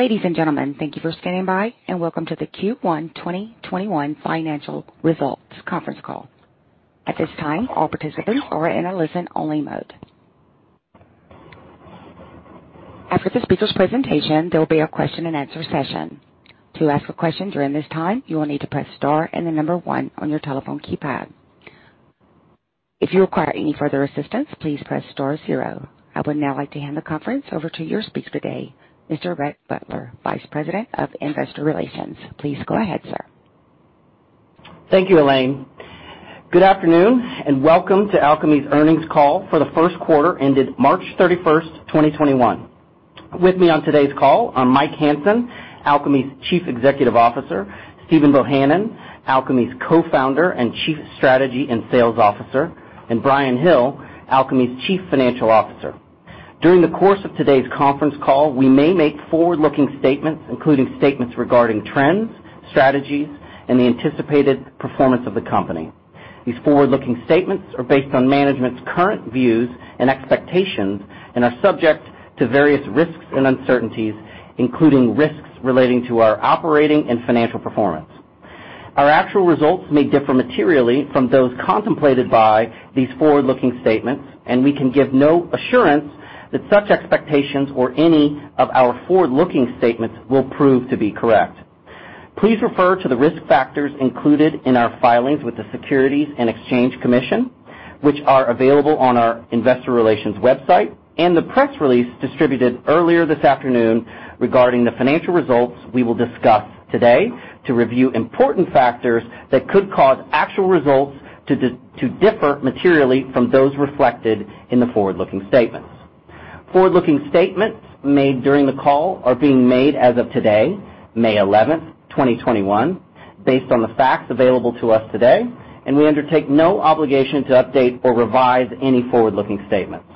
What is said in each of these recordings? Ladies and gentlemen, thank you for standing by and welcome to the Q1 2021 financial results conference call. At this time, all participants are in a listen-only mode. After the speakers' presentation, there will be a question and answer session. To ask a question during this time, you will need to press star and the number one on your telephone keypad. If you require any further assistance, please press star zero. I would now like to hand the conference over to your speaker today, Mr. Rhett Butler, Vice President of Investor Relations. Please go ahead, sir. Thank you, Elaine. Good afternoon, and welcome to Alkami's earnings call for the Q1 ended March 31st, 2021. With me on today's call are Mike Hansen, Alkami's Chief Executive Officer, Stephen Bohanon, Alkami's Co-founder and Chief Strategy & Sales Officer, and Bryan Hill, Alkami's Chief Financial Officer. During the course of today's conference call, we may make forward-looking statements, including statements regarding trends, strategies, and the anticipated performance of the company. These forward-looking statements are based on management's current views and expectations and are subject to various risks and uncertainties, including risks relating to our operating and financial performance. Our actual results may differ materially from those contemplated by these forward-looking statements, and we can give no assurance that such expectations or any of our forward-looking statements will prove to be correct. Please refer to the risk factors included in our filings with the Securities and Exchange Commission, which are available on our investor relations website, and the press release distributed earlier this afternoon regarding the financial results we will discuss today to review important factors that could cause actual results to differ materially from those reflected in the forward-looking statements. Forward-looking statements made during the call are being made as of today, May 11th, 2021, based on the facts available to us today, and we undertake no obligation to update or revise any forward-looking statements.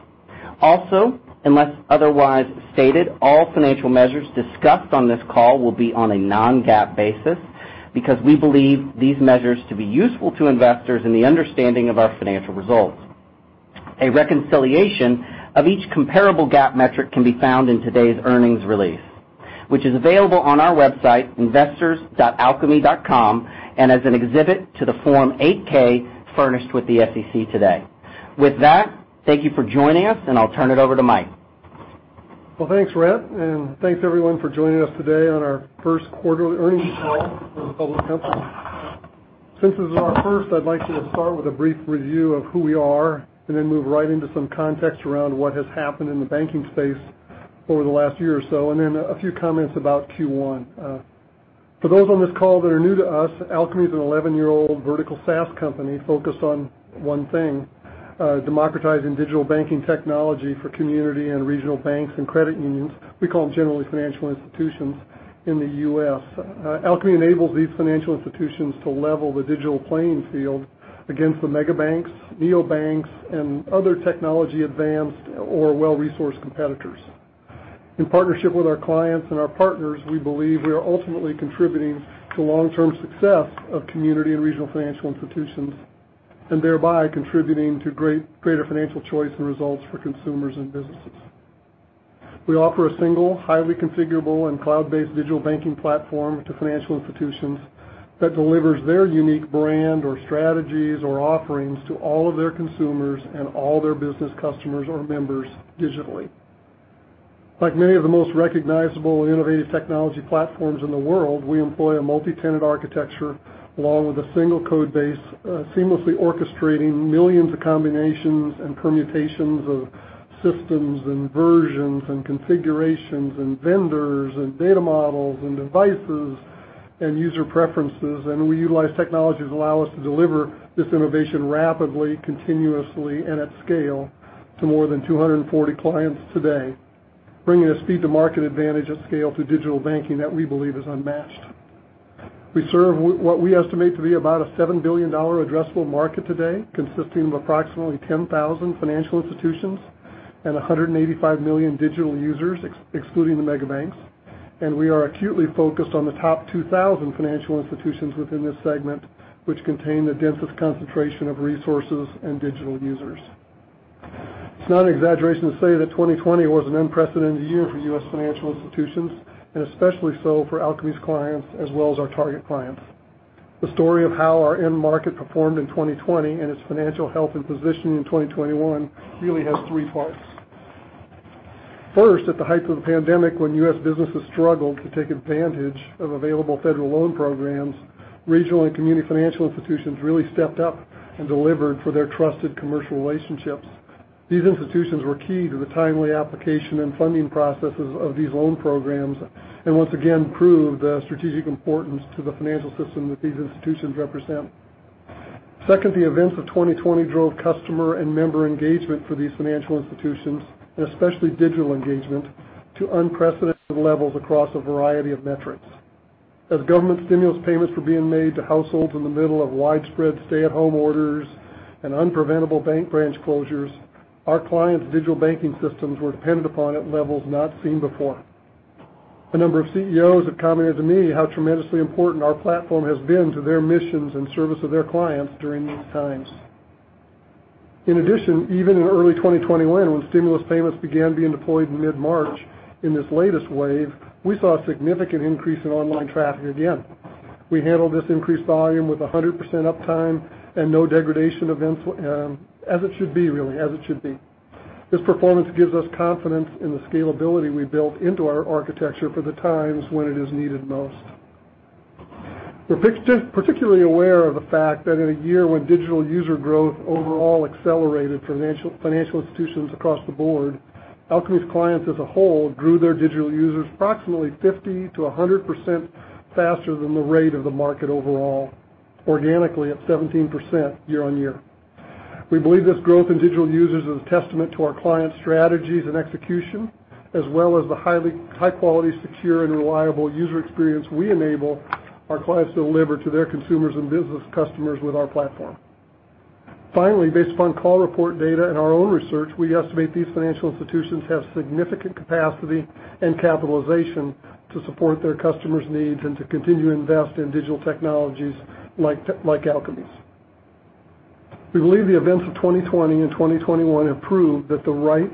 Also, unless otherwise stated, all financial measures discussed on this call will be on a non-GAAP basis because we believe these measures to be useful to investors in the understanding of our financial results. A reconciliation of each comparable GAAP metric can be found in today's earnings release, which is available on our website, investors.alkami.com, and as an exhibit to the Form 8-K furnished with the SEC today. With that, thank you for joining us, and I'll turn it over to Mike. Thanks, Rhett, and thanks, everyone, for joining us today on our Q1 earnings call for the public company. Since this is our first, I'd like to start with a brief review of who we are and then move right into some context around what has happened in the banking space over the last year or so, and then a few comments about Q1. For those on this call that are new to us, Alkami is an 11-year-old vertical SaaS company focused on one thing, democratizing digital banking technology for community and regional banks and credit unions, we call them generally financial institutions, in the U.S. Alkami enables these financial institutions to level the digital playing field against the mega banks, neo banks, and other technology-advanced or well-resourced competitors. In partnership with our clients and our partners, we believe we are ultimately contributing to long-term success of community and regional financial institutions, and thereby contributing to greater financial choice and results for consumers and businesses. We offer a single, highly configurable and cloud-based digital banking platform to financial institutions that delivers their unique brand or strategies or offerings to all of their consumers and all their business customers or members digitally. Like many of the most recognizable innovative technology platforms in the world, we employ a multi-tenant architecture along with a single code base, seamlessly orchestrating millions of combinations and permutations of systems and versions and configurations and vendors and data models and devices and user preferences. We utilize technology that allow us to deliver this innovation rapidly, continuously, and at scale to more than 240 clients today, bringing a speed-to-market advantage at scale to digital banking that we believe is unmatched. We serve what we estimate to be about a $7 billion addressable market today, consisting of approximately 10,000 financial institutions and 185 million digital users, excluding the mega banks. We are acutely focused on the top 2,000 financial institutions within this segment, which contain the densest concentration of resources and digital users. It is not an exaggeration to say that 2020 was an unprecedented year for U.S. financial institutions, and especially so for Alkami's clients as well as our target clients. The story of how our end market performed in 2020 and its financial health and positioning in 2021 really has three parts. First, at the height of the pandemic, when U.S. businesses struggled to take advantage of available federal loan programs, regional and community financial institutions really stepped up and delivered for their trusted commercial relationships. These institutions were key to the timely application and funding processes of these loan programs and once again proved the strategic importance to the financial system that these institutions represent. Second, the events of 2020 drove customer and member engagement for these financial institutions, and especially digital engagement, to unprecedented levels across a variety of metrics. As government stimulus payments were being made to households in the middle of widespread stay-at-home orders and unpreventable bank branch closures, our clients' digital banking systems were depended upon at levels not seen before. A number of CEOs have commented to me how tremendously important our platform has been to their missions and service of their clients during these times. In addition, even in early 2021, when stimulus payments began being deployed in mid-March in this latest wave, we saw a significant increase in online traffic again. We handled this increased volume with 100% uptime and no degradation events, as it should be, really. As it should be. This performance gives us confidence in the scalability we built into our architecture for the times when it is needed most. We're particularly aware of the fact that in a year when digital user growth overall accelerated financial institutions across the board, Alkami's clients as a whole grew their digital users approximately 50%-100% faster than the rate of the market overall, organically at 17% year-on-year. We believe this growth in digital users is a testament to our clients' strategies and execution, as well as the high-quality, secure, and reliable user experience we enable our clients to deliver to their consumers and business customers with our platform. Finally, based upon call report data and our own research, we estimate these financial institutions have significant capacity and capitalization to support their customers' needs and to continue to invest in digital technologies like Alkami's. We believe the events of 2020 and 2021 have proved that the right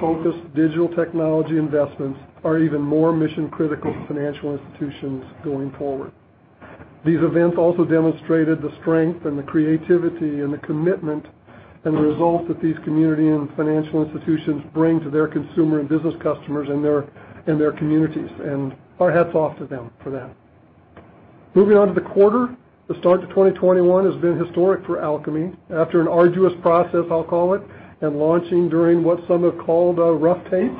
focused digital technology investments are even more mission-critical to financial institutions going forward. These events also demonstrated the strength and the creativity and the commitment and the results that these community and financial institutions bring to their consumer and business customers and their communities, and our hats off to them for that. Moving on to the quarter, the start to 2021 has been historic for Alkami. After an arduous process, I'll call it, and launching during what some have called a rough tape,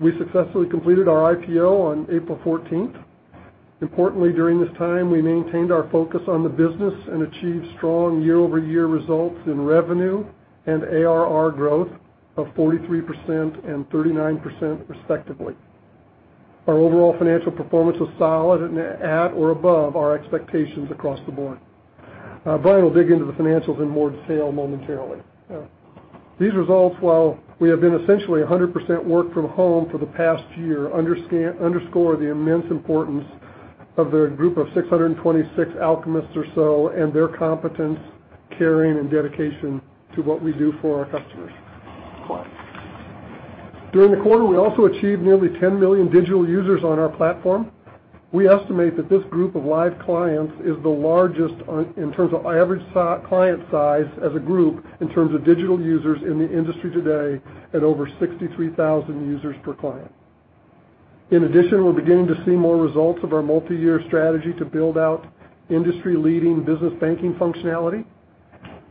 we successfully completed our IPO on April 14th. Importantly, during this time, we maintained our focus on the business and achieved strong year-over-year results in revenue and ARR growth of 43% and 39%, respectively. Our overall financial performance was solid and at or above our expectations across the board. Bryan will dig into the financials in more detail momentarily. These results, while we have been essentially 100% work from home for the past year, underscore the immense importance of the group of 626 Alkamists or so and their competence, caring, and dedication to what we do for our customers. During the quarter, we also achieved nearly 10 million digital users on our platform. We estimate that this group of live clients is the largest in terms of average client size as a group in terms of digital users in the industry today at over 63,000 users per client. In addition, we're beginning to see more results of our multi-year strategy to build out industry-leading business banking functionality.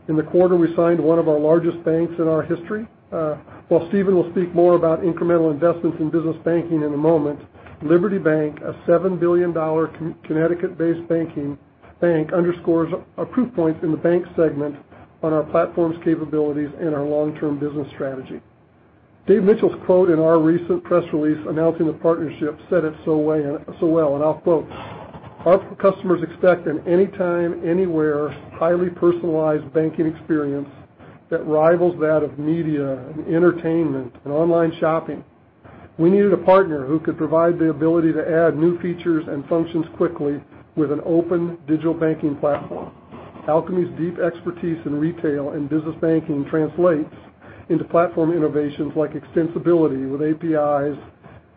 In the quarter, we signed one of our largest banks in our history. While Stephen will speak more about incremental investments in business banking in a moment, Liberty Bank, a $7 billion Connecticut-based bank, underscores a proof point in the bank segment on our platform's capabilities and our long-term business strategy. Dave Mitchell's quote in our recent press release announcing the partnership said it so well, and I'll quote, "Our customers expect an anytime, anywhere, highly personalized banking experience that rivals that of media and entertainment and online shopping. We needed a partner who could provide the ability to add new features and functions quickly with an open digital banking platform. Alkami's deep expertise in retail and business banking translates into platform innovations like extensibility with APIs,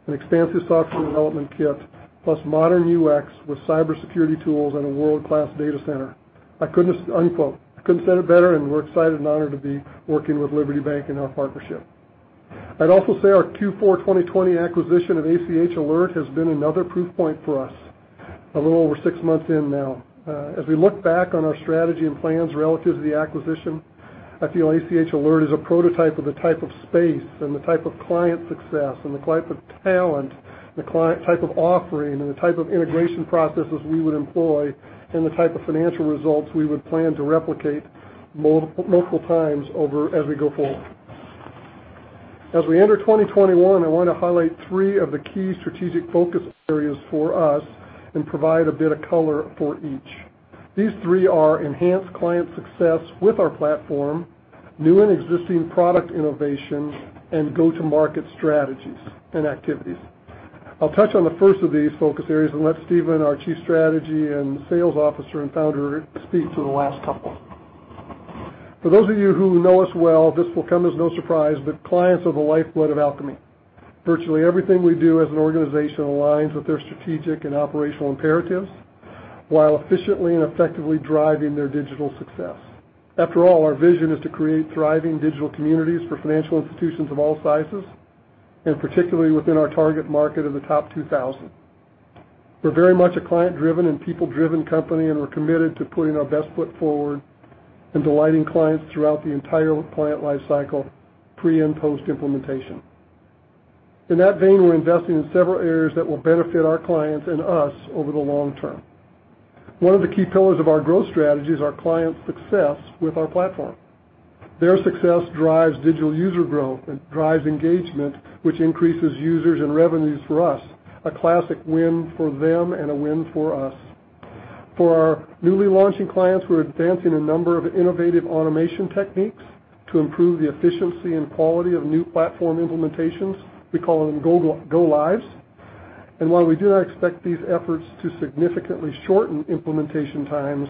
an expansive software development kit, plus modern UX with cybersecurity tools and a world-class data center. Unquote. I couldn't say it better, and we're excited and honored to be working with Liberty Bank in our partnership. I'd also say our Q4 2020 acquisition of ACH Alert has been another proof point for us, a little over six months in now. As we look back on our strategy and plans relative to the acquisition, I feel ACH Alert is a prototype of the type of space and the type of client success and the type of talent, the type of offering, and the type of integration processes we would employ and the type of financial results we would plan to replicate multiple times over as we go forward. As we enter 2021, I want to highlight three of the key strategic focus areas for us and provide a bit of color for each. These three are enhanced client success with our platform, new and existing product innovation, and go-to-market strategies and activities. I'll touch on the first of these focus areas and let Stephen, our Chief Strategy and Sales Officer and Founder, speak to the last couple. For those of you who know us well, this will come as no surprise. Clients are the lifeblood of Alkami. Virtually everything we do as an organization aligns with their strategic and operational imperatives while efficiently and effectively driving their digital success. After all, our vision is to create thriving digital communities for financial institutions of all sizes, and particularly within our target market of the top 2,000. We're very much a client-driven and people-driven company, and we're committed to putting our best foot forward and delighting clients throughout the entire client life cycle, pre and post-implementation. In that vein, we're investing in several areas that will benefit our clients and us over the long term. One of the key pillars of our growth strategy is our clients' success with our platform. Their success drives digital user growth and drives engagement, which increases users and revenues for us, a classic win for them and a win for us. For our newly launching clients, we're advancing a number of innovative automation techniques to improve the efficiency and quality of new platform implementations. We call them go lives. While we do not expect these efforts to significantly shorten implementation times,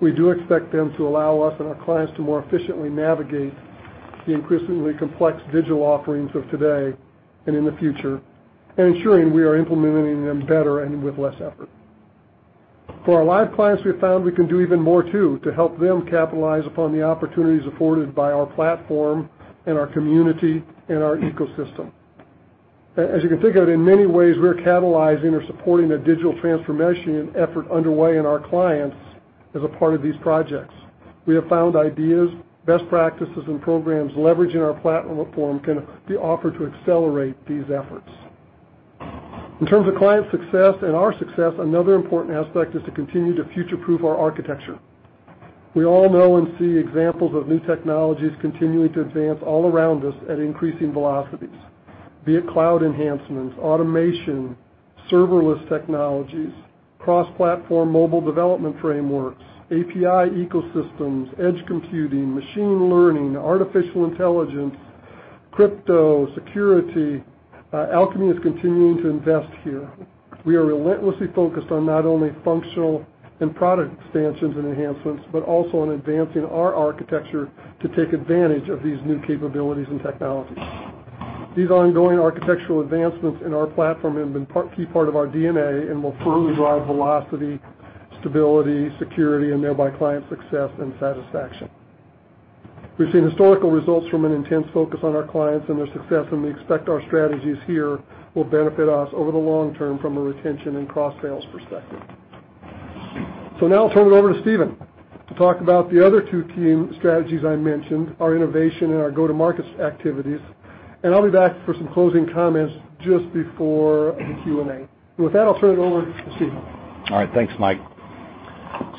we do expect them to allow us and our clients to more efficiently navigate the increasingly complex digital offerings of today and in the future, and ensuring we are implementing them better and with less effort. For our live clients, we have found we can do even more too to help them capitalize upon the opportunities afforded by our platform and our community and our ecosystem. As you can think of it, in many ways, we're catalyzing or supporting a digital transformation effort underway in our clients as a part of these projects. We have found ideas, best practices, and programs leveraging our Platform can be offered to accelerate these efforts. In terms of client success and our success, another important aspect is to continue to future-proof our architecture. We all know and see examples of new technologies continuing to advance all around us at increasing velocities, be it cloud enhancements, automation, serverless technologies, cross-platform mobile development frameworks, API ecosystems, edge computing, machine learning, artificial intelligence, crypto, security. Alkami is continuing to invest here. We are relentlessly focused on not only functional and product expansions and enhancements, but also on advancing our architecture to take advantage of these new capabilities and technologies. These ongoing architectural advancements in our platform have been a key part of our DNA and will further drive velocity, stability, security, and thereby client success and satisfaction. We've seen historical results from an intense focus on our clients and their success, and we expect our strategies here will benefit us over the long term from a retention and cross-sales perspective. Now I'll turn it over to Stephen to talk about the other two key strategies I mentioned, our innovation and our go-to-market activities, and I'll be back for some closing comments just before the Q&A. With that, I'll turn it over to Stephen. All right. Thanks, Mike.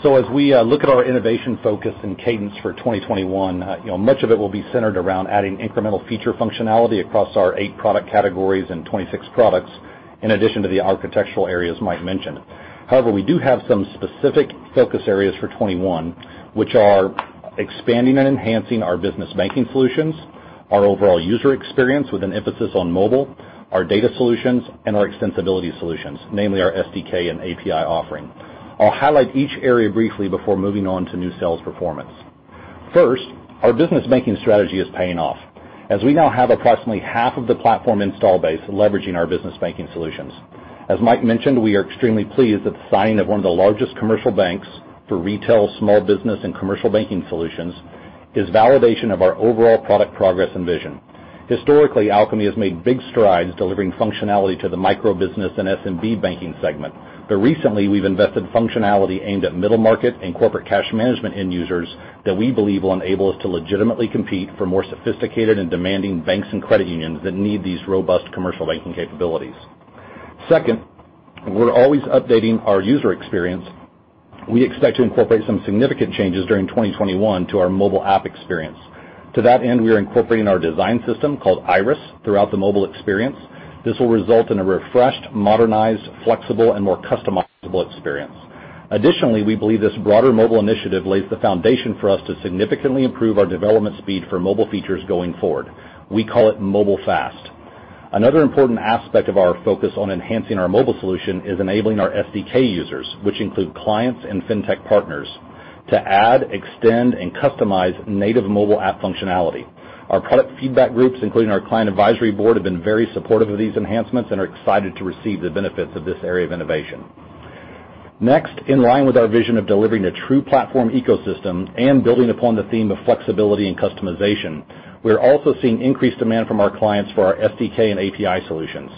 As we look at our innovation focus and cadence for 2021, much of it will be centered around adding incremental feature functionality across our eight product categories and 26 products, in addition to the architectural areas Mike mentioned. However, we do have some specific focus areas for 2021, which are expanding and enhancing our business banking solutions, our overall user experience with an emphasis on mobile, our data solutions, and our extensibility solutions, namely our SDK and API offering. I'll highlight each area briefly before moving on to new sales performance. First, our business banking strategy is paying off as we now have approximately half of the platform install base leveraging our business banking solutions. As Mike mentioned, we are extremely pleased that the signing of one of the largest commercial banks for retail, small business, and commercial banking solutions is validation of our overall product progress and vision. Historically, Alkami has made big strides delivering functionality to the micro-business and SMB banking segment. Recently, we've invested functionality aimed at middle market and corporate cash management end users that we believe will enable us to legitimately compete for more sophisticated and demanding banks and credit unions that need these robust commercial banking capabilities. Second, we're always updating our user experience. We expect to incorporate some significant changes during 2021 to our mobile app experience. To that end, we are incorporating our design system called Iris throughout the mobile experience. This will result in a refreshed, modernized, flexible, and more customizable experience. Additionally, we believe this broader mobile initiative lays the foundation for us to significantly improve our development speed for mobile features going forward. We call it Mobile Fast. Another important aspect of our focus on enhancing our mobile solution is enabling our SDK users, which include clients and fintech partners, to add, extend, and customize native mobile app functionality. Our product feedback groups, including our client advisory board, have been very supportive of these enhancements and are excited to receive the benefits of this area of innovation. Next, in line with our vision of delivering a true platform ecosystem and building upon the theme of flexibility and customization, we're also seeing increased demand from our clients for our SDK and API solutions.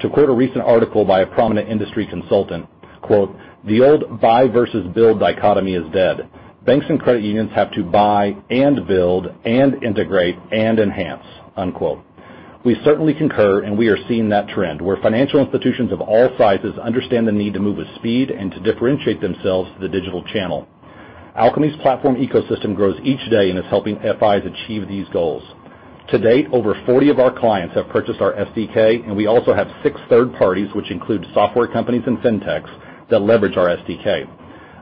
To quote a recent article by a prominent industry consultant, quote, "The old buy versus build dichotomy is dead. Banks and credit unions have to buy and build and integrate and enhance." unquote. We certainly concur. We are seeing that trend where financial institutions of all sizes understand the need to move with speed and to differentiate themselves to the digital channel. Alkami's platform ecosystem grows each day and is helping FIs achieve these goals. To date, over 40 of our clients have purchased our SDK. We also have six third parties, which include software companies and fintechs that leverage our SDK.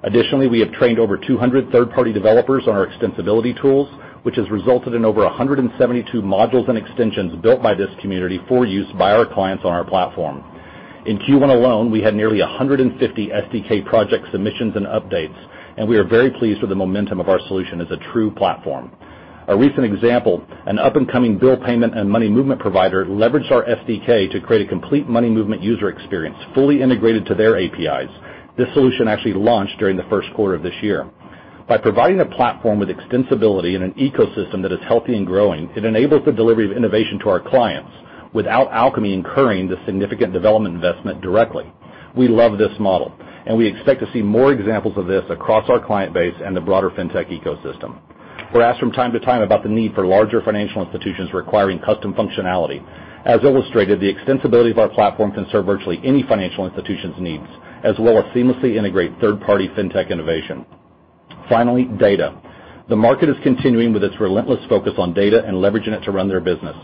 Additionally, we have trained over 200 third-party developers on our extensibility tools, which has resulted in over 172 modules and extensions built by this community for use by our clients on our platform. In Q1 alone, we had nearly 150 SDK project submissions and updates. We are very pleased with the momentum of our solution as a true platform. A recent example, an up-and-coming bill payment and money movement provider leveraged our SDK to create a complete money movement user experience fully integrated to their APIs. This solution actually launched during the Q1 of this year. By providing a platform with extensibility and an ecosystem that is healthy and growing, it enables the delivery of innovation to our clients without Alkami incurring the significant development investment directly. We love this model, and we expect to see more examples of this across our client base and the broader fintech ecosystem. We're asked from time to time about the need for larger financial institutions requiring custom functionality. As illustrated, the extensibility of our platform can serve virtually any financial institution's needs, as well as seamlessly integrate third-party fintech innovation. Finally, data. The market is continuing with its relentless focus on data and leveraging it to run their business.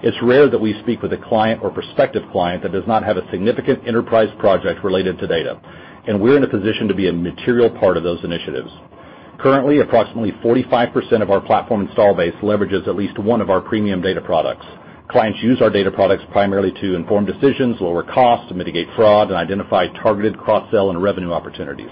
It's rare that we speak with a client or prospective client that does not have a significant enterprise project related to data, and we're in a position to be a material part of those initiatives. Currently, approximately 45% of our platform install base leverages at least one of our premium data products. Clients use our data products primarily to inform decisions, lower costs, mitigate fraud, and identify targeted cross-sell and revenue opportunities.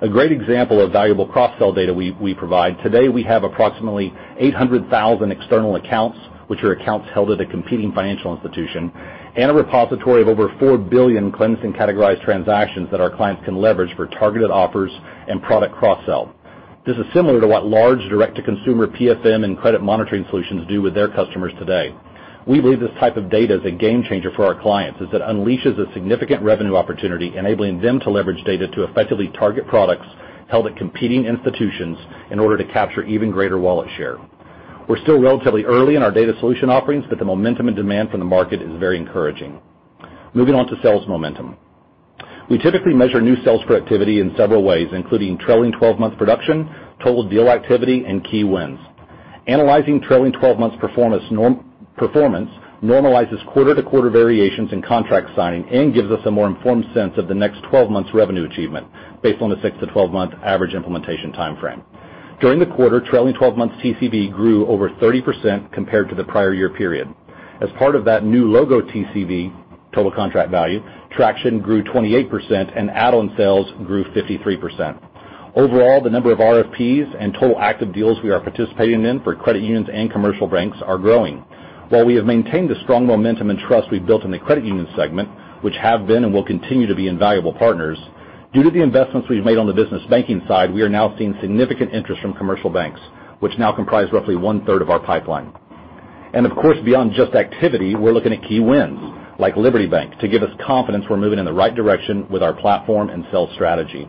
A great example of valuable cross-sell data we provide, today, we have approximately 800,000 external accounts, which are accounts held at a competing financial institution, and a repository of over 4 billion cleansed and categorized transactions that our clients can leverage for targeted offers and product cross-sell. This is similar to what large direct-to-consumer PFM and credit monitoring solutions do with their customers today. We believe this type of data is a game changer for our clients, as it unleashes a significant revenue opportunity, enabling them to leverage data to effectively target products held at competing institutions in order to capture even greater wallet share. We're still relatively early in our data solution offerings. The momentum and demand from the market is very encouraging. Moving on to sales momentum. We typically measure new sales productivity in several ways, including trailing 12-month production, total deal activity, and key wins. Analyzing trailing 12 months performance normalizes quarter-to-quarter variations in contract signing and gives us a more informed sense of the next 12 months revenue achievement, based on the six to 12-month average implementation timeframe. During the quarter, trailing 12 months TCV grew over 30% compared to the prior year period. As part of that new logo TCV, total contract value, traction grew 28% and add-on sales grew 53%. Overall, the number of RFPs and total active deals we are participating in for credit unions and commercial banks are growing. While we have maintained a strong momentum and trust we've built in the credit union segment, which have been and will continue to be invaluable partners, due to the investments we've made on the business banking side, we are now seeing significant interest from commercial banks, which now comprise roughly one-third of our pipeline. Of course, beyond just activity, we're looking at key wins, like Liberty Bank, to give us confidence we're moving in the right direction with our platform and sales strategy.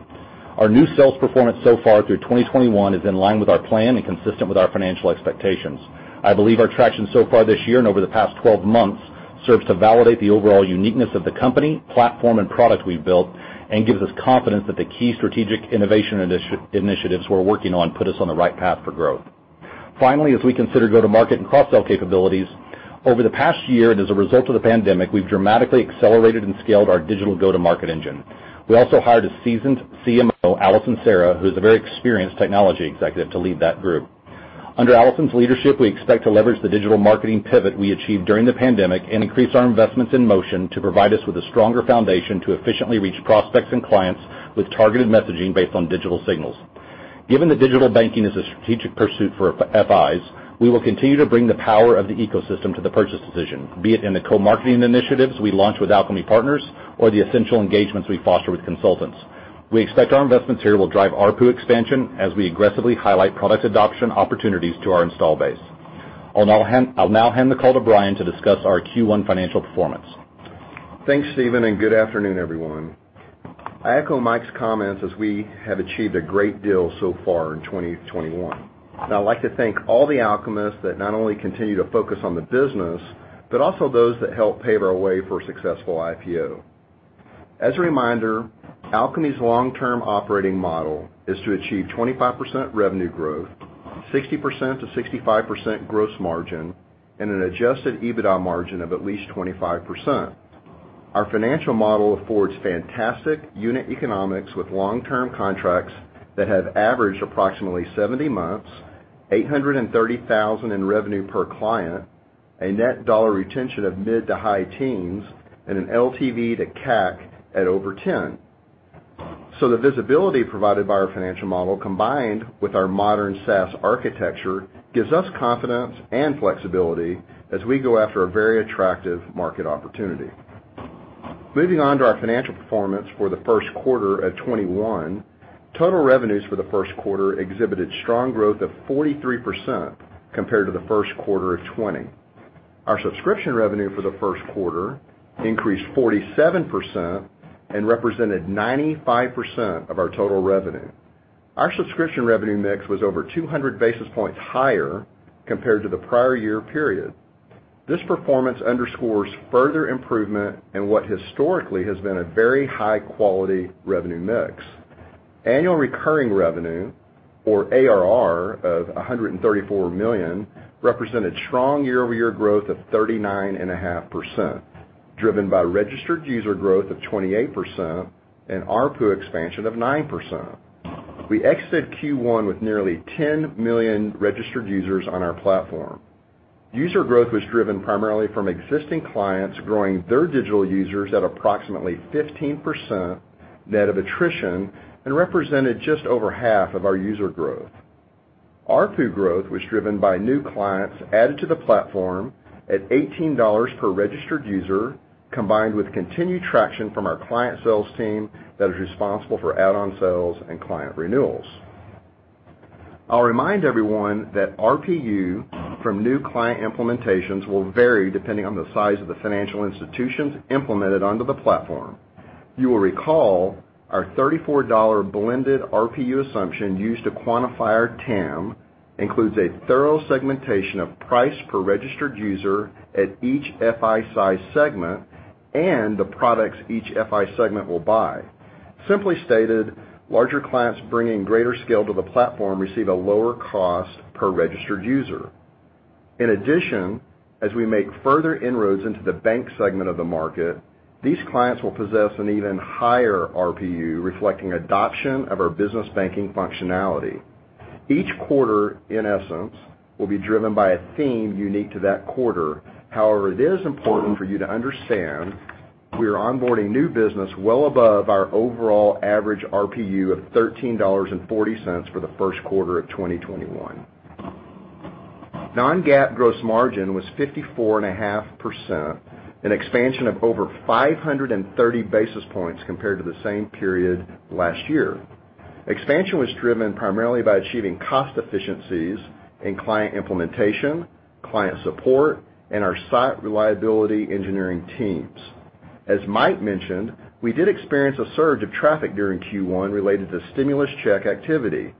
Our new sales performance so far through 2021 is in line with our plan and consistent with our financial expectations. I believe our traction so far this year and over the past 12 months serves to validate the overall uniqueness of the company, platform, and product we've built and gives us confidence that the key strategic innovation initiatives we're working on put us on the right path for growth. As we consider go-to-market and cross-sell capabilities, over the past year, and as a result of the pandemic, we've dramatically accelerated and scaled our digital go-to-market engine. We also hired a seasoned CMO, Allison Cerra, who's a very experienced technology executive, to lead that group. Under Allison's leadership, we expect to leverage the digital marketing pivot we achieved during the pandemic and increase our investments in motion to provide us with a stronger foundation to efficiently reach prospects and clients with targeted messaging based on digital signals. Given that digital banking is a strategic pursuit for FIs, we will continue to bring the power of the ecosystem to the purchase decision, be it in the co-marketing initiatives we launch with Alkami partners or the essential engagements we foster with consultants. We expect our investments here will drive ARPU expansion as we aggressively highlight product adoption opportunities to our install base. I'll now hand the call to Bryan to discuss our Q1 financial performance. Thanks, Stephen. Good afternoon, everyone. I echo Mike's comments as we have achieved a great deal so far in 2021. I'd like to thank all the Alkamists that not only continue to focus on the business, but also those that helped pave our way for a successful IPO. As a reminder, Alkami's long-term operating model is to achieve 25% revenue growth, 60%-65% gross margin, and an adjusted EBITDA margin of at least 25%. Our financial model affords fantastic unit economics with long-term contracts that have averaged approximately 70 months, $830,000 in revenue per client, a net dollar retention of mid to high teens, and an LTV to CAC at over 10. The visibility provided by our financial model, combined with our modern SaaS architecture, gives us confidence and flexibility as we go after a very attractive market opportunity. Moving on to our financial performance for the Q1 of 2021. Total revenues for the Q1 exhibited strong growth of 43% compared to the Q1 of 2020. Our subscription revenue for the Q1 increased 47% and represented 95% of our total revenue. Our subscription revenue mix was over 200 basis points higher compared to the prior year period. This performance underscores further improvement in what historically has been a very high-quality revenue mix. Annual recurring revenue, or ARR, of $134 million, represented strong year-over-year growth of 39.5%, driven by registered user growth of 28% and ARPU expansion of 9%. We exit Q1 with nearly 10 million registered users on our platform. User growth was driven primarily from existing clients growing their digital users at approximately 15% net of attrition and represented just over half of our user growth. ARPU growth was driven by new clients added to the platform at $18 per registered user, combined with continued traction from our client sales team that is responsible for add-on sales and client renewals. I'll remind everyone that RPU from new client implementations will vary depending on the size of the financial institutions implemented onto the platform. You will recall our $34 blended RPU assumption used to quantify our TAM includes a thorough segmentation of price per registered user at each FI size segment and the products each FI segment will buy. Simply stated, larger clients bringing greater scale to the platform receive a lower cost per registered user. In addition, as we make further inroads into the bank segment of the market, these clients will possess an even higher RPU, reflecting adoption of our business banking functionality. Each quarter, in essence, will be driven by a theme unique to that quarter. It is important for you to understand we are onboarding new business well above our overall average RPU of $13.40 for the Q1 of 2021. Non-GAAP gross margin was 54.5%, an expansion of over 530 basis points compared to the same period last year. Expansion was driven primarily by achieving cost efficiencies in client implementation, client support, and our site reliability engineering teams. As Mike mentioned, we did experience a surge of traffic during Q1 related to stimulus check activity.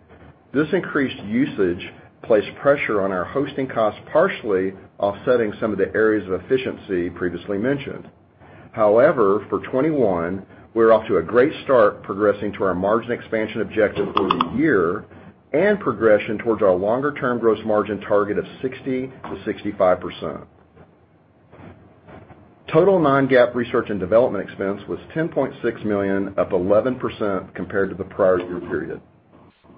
This increased usage placed pressure on our hosting costs, partially offsetting some of the areas of efficiency previously mentioned. For 2021, we're off to a great start progressing to our margin expansion objective for the year and progression towards our longer-term gross margin target of 60%-65%. Total non-GAAP research and development expense was $10.6 million, up 11% compared to the prior year period.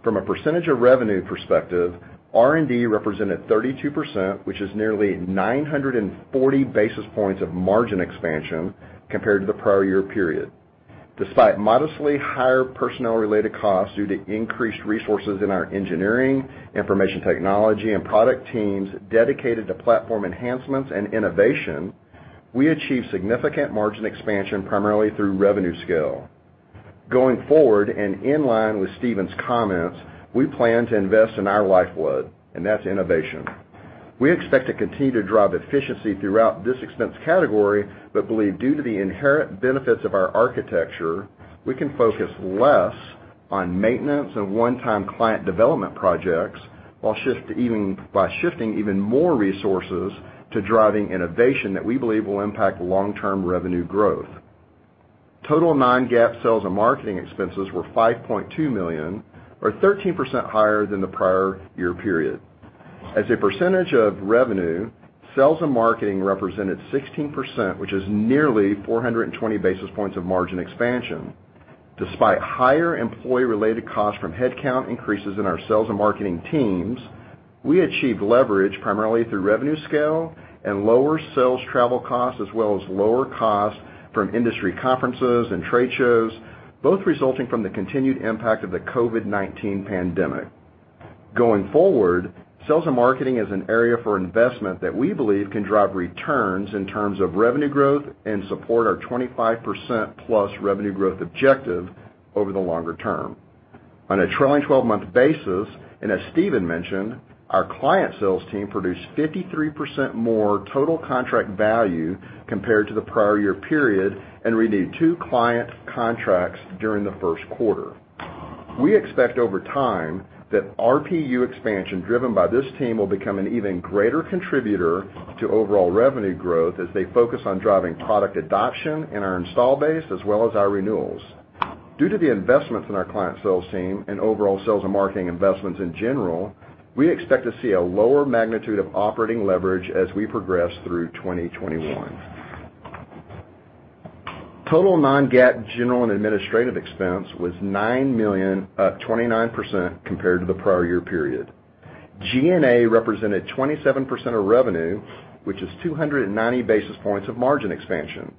From a percentage of revenue perspective, R&D represented 32%, which is nearly 940 basis points of margin expansion compared to the prior year period. Despite modestly higher personnel-related costs due to increased resources in our engineering, information technology, and product teams dedicated to platform enhancements and innovation, we achieved significant margin expansion primarily through revenue scale. Going forward, and in line with Stephen's comments, we plan to invest in our lifeblood, and that's innovation. We expect to continue to drive efficiency throughout this expense category, but believe due to the inherent benefits of our architecture, we can focus less on maintenance and one-time client development projects by shifting even more resources to driving innovation that we believe will impact long-term revenue growth. Total non-GAAP sales and marketing expenses were $5.2 million, or 13% higher than the prior year period. As a percentage of revenue, sales and marketing represented 16%, which is nearly 420 basis points of margin expansion. Despite higher employee-related costs from headcount increases in our sales and marketing teams, we achieved leverage primarily through revenue scale and lower sales travel costs, as well as lower costs from industry conferences and trade shows, both resulting from the continued impact of the COVID-19 pandemic. Going forward, sales and marketing is an area for investment that we believe can drive returns in terms of revenue growth and support our 25%-plus revenue growth objective over the longer term. On a trailing 12-month basis, and as Stephen mentioned, our client sales team produced 53% more Total Contract Value compared to the prior year period and renewed two client contracts during the Q1. We expect, over time, that RPU expansion driven by this team will become an even greater contributor to overall revenue growth as they focus on driving product adoption in our install base as well as our renewals. Due to the investments in our client sales team and overall sales and marketing investments in general, we expect to see a lower magnitude of operating leverage as we progress through 2021. Total non-GAAP general and administrative expense was $9 million, up 29% compared to the prior year period. G&A represented 27% of revenue, which is 290 basis points of margin expansion.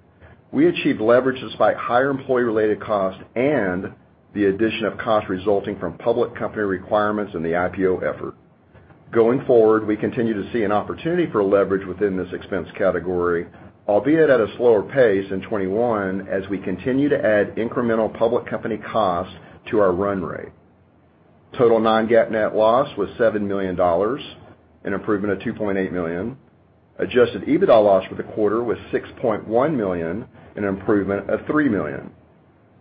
We achieved leverage despite higher employee-related costs and the addition of costs resulting from public company requirements and the IPO effort. Going forward, we continue to see an opportunity for leverage within this expense category, albeit at a slower pace in 2021 as we continue to add incremental public company costs to our run rate. Total non-GAAP net loss was $7 million, an improvement of $2.8 million. Adjusted EBITDA loss for the quarter was $6.1 million, an improvement of $3 million.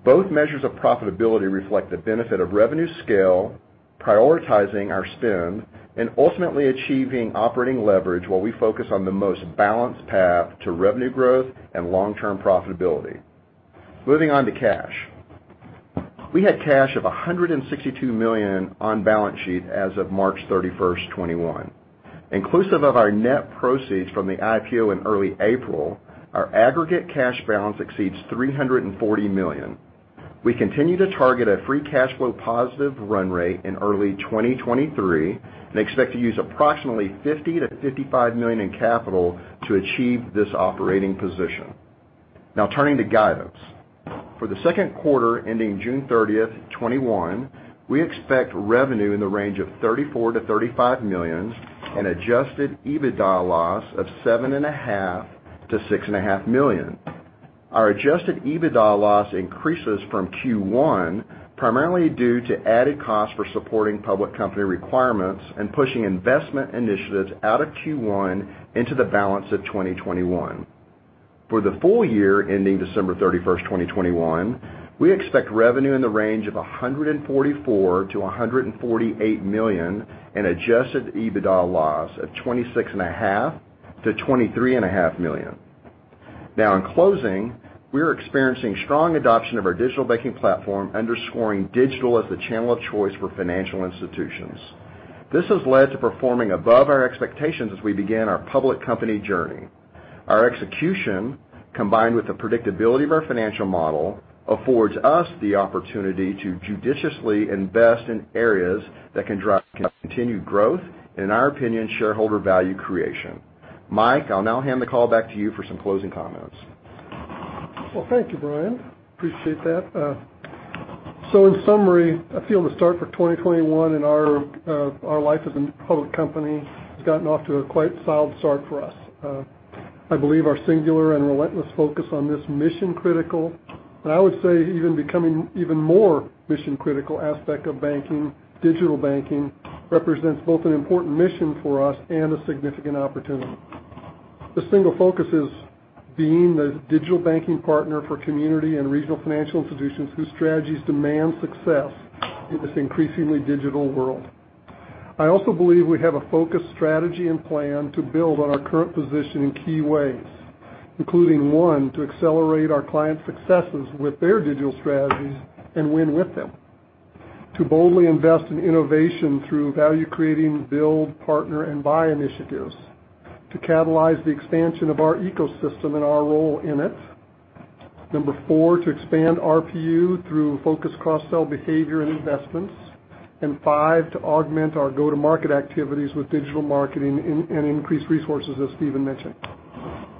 Both measures of profitability reflect the benefit of revenue scale, prioritizing our spend, and ultimately achieving operating leverage while we focus on the most balanced path to revenue growth and long-term profitability. Moving on to cash. We had cash of $162 million on balance sheet as of March 31, 2021. Inclusive of our net proceeds from the IPO in early April, our aggregate cash balance exceeds $340 million. We continue to target a free cash flow positive run rate in early 2023 and expect to use approximately $50 million-$55 million in capital to achieve this operating position. Turning to guidance. For the Q2 ending June 30, 2021, we expect revenue in the range of $34 million-$35 million, an adjusted EBITDA loss of $7.5 million-$6.5 million. Our adjusted EBITDA loss increases from Q1 primarily due to added costs for supporting public company requirements and pushing investment initiatives out of Q1 into the balance of 2021. For the full year ending December 31, 2021, we expect revenue in the range of $144 million-$148 million and adjusted EBITDA loss of $26.5 million-$23.5 million. In closing, we are experiencing strong adoption of our digital banking platform, underscoring digital as the channel of choice for financial institutions. This has led to performing above our expectations as we begin our public company journey. Our execution, combined with the predictability of our financial model, affords us the opportunity to judiciously invest in areas that can drive continued growth and, in our opinion, shareholder value creation. Mike, I'll now hand the call back to you for some closing comments. Well, thank you, Bryan. Appreciate that. In summary, I feel the start for 2021 and our life as a public company has gotten off to a quite solid start for us. I believe our singular and relentless focus on this mission-critical, and I would say even becoming even more mission-critical aspect of banking, digital banking, represents both an important mission for us and a significant opportunity. The single focus is being the digital banking partner for community and regional financial institutions whose strategies demand success in this increasingly digital world. I also believe we have a focused strategy and plan to build on our current position in key ways, including: one, to accelerate our client successes with their digital strategies and win with them. Two, boldly invest in innovation through value-creating build, partner, and buy initiatives. To catalyze the expansion of our ecosystem and our role in it. Number four, to expand RPU through focused cross-sell behavior and investments. Five, to augment our go-to-market activities with digital marketing and increased resources, as Stephen mentioned.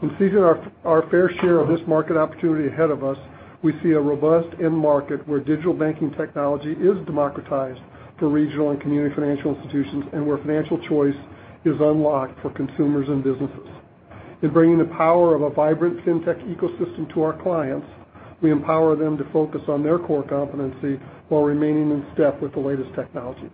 Envisioning our fair share of this market opportunity ahead of us, we see a robust end market where digital banking technology is democratized for regional and community financial institutions and where financial choice is unlocked for consumers and businesses. In bringing the power of a vibrant fintech ecosystem to our clients, we empower them to focus on their core competency while remaining in step with the latest technology.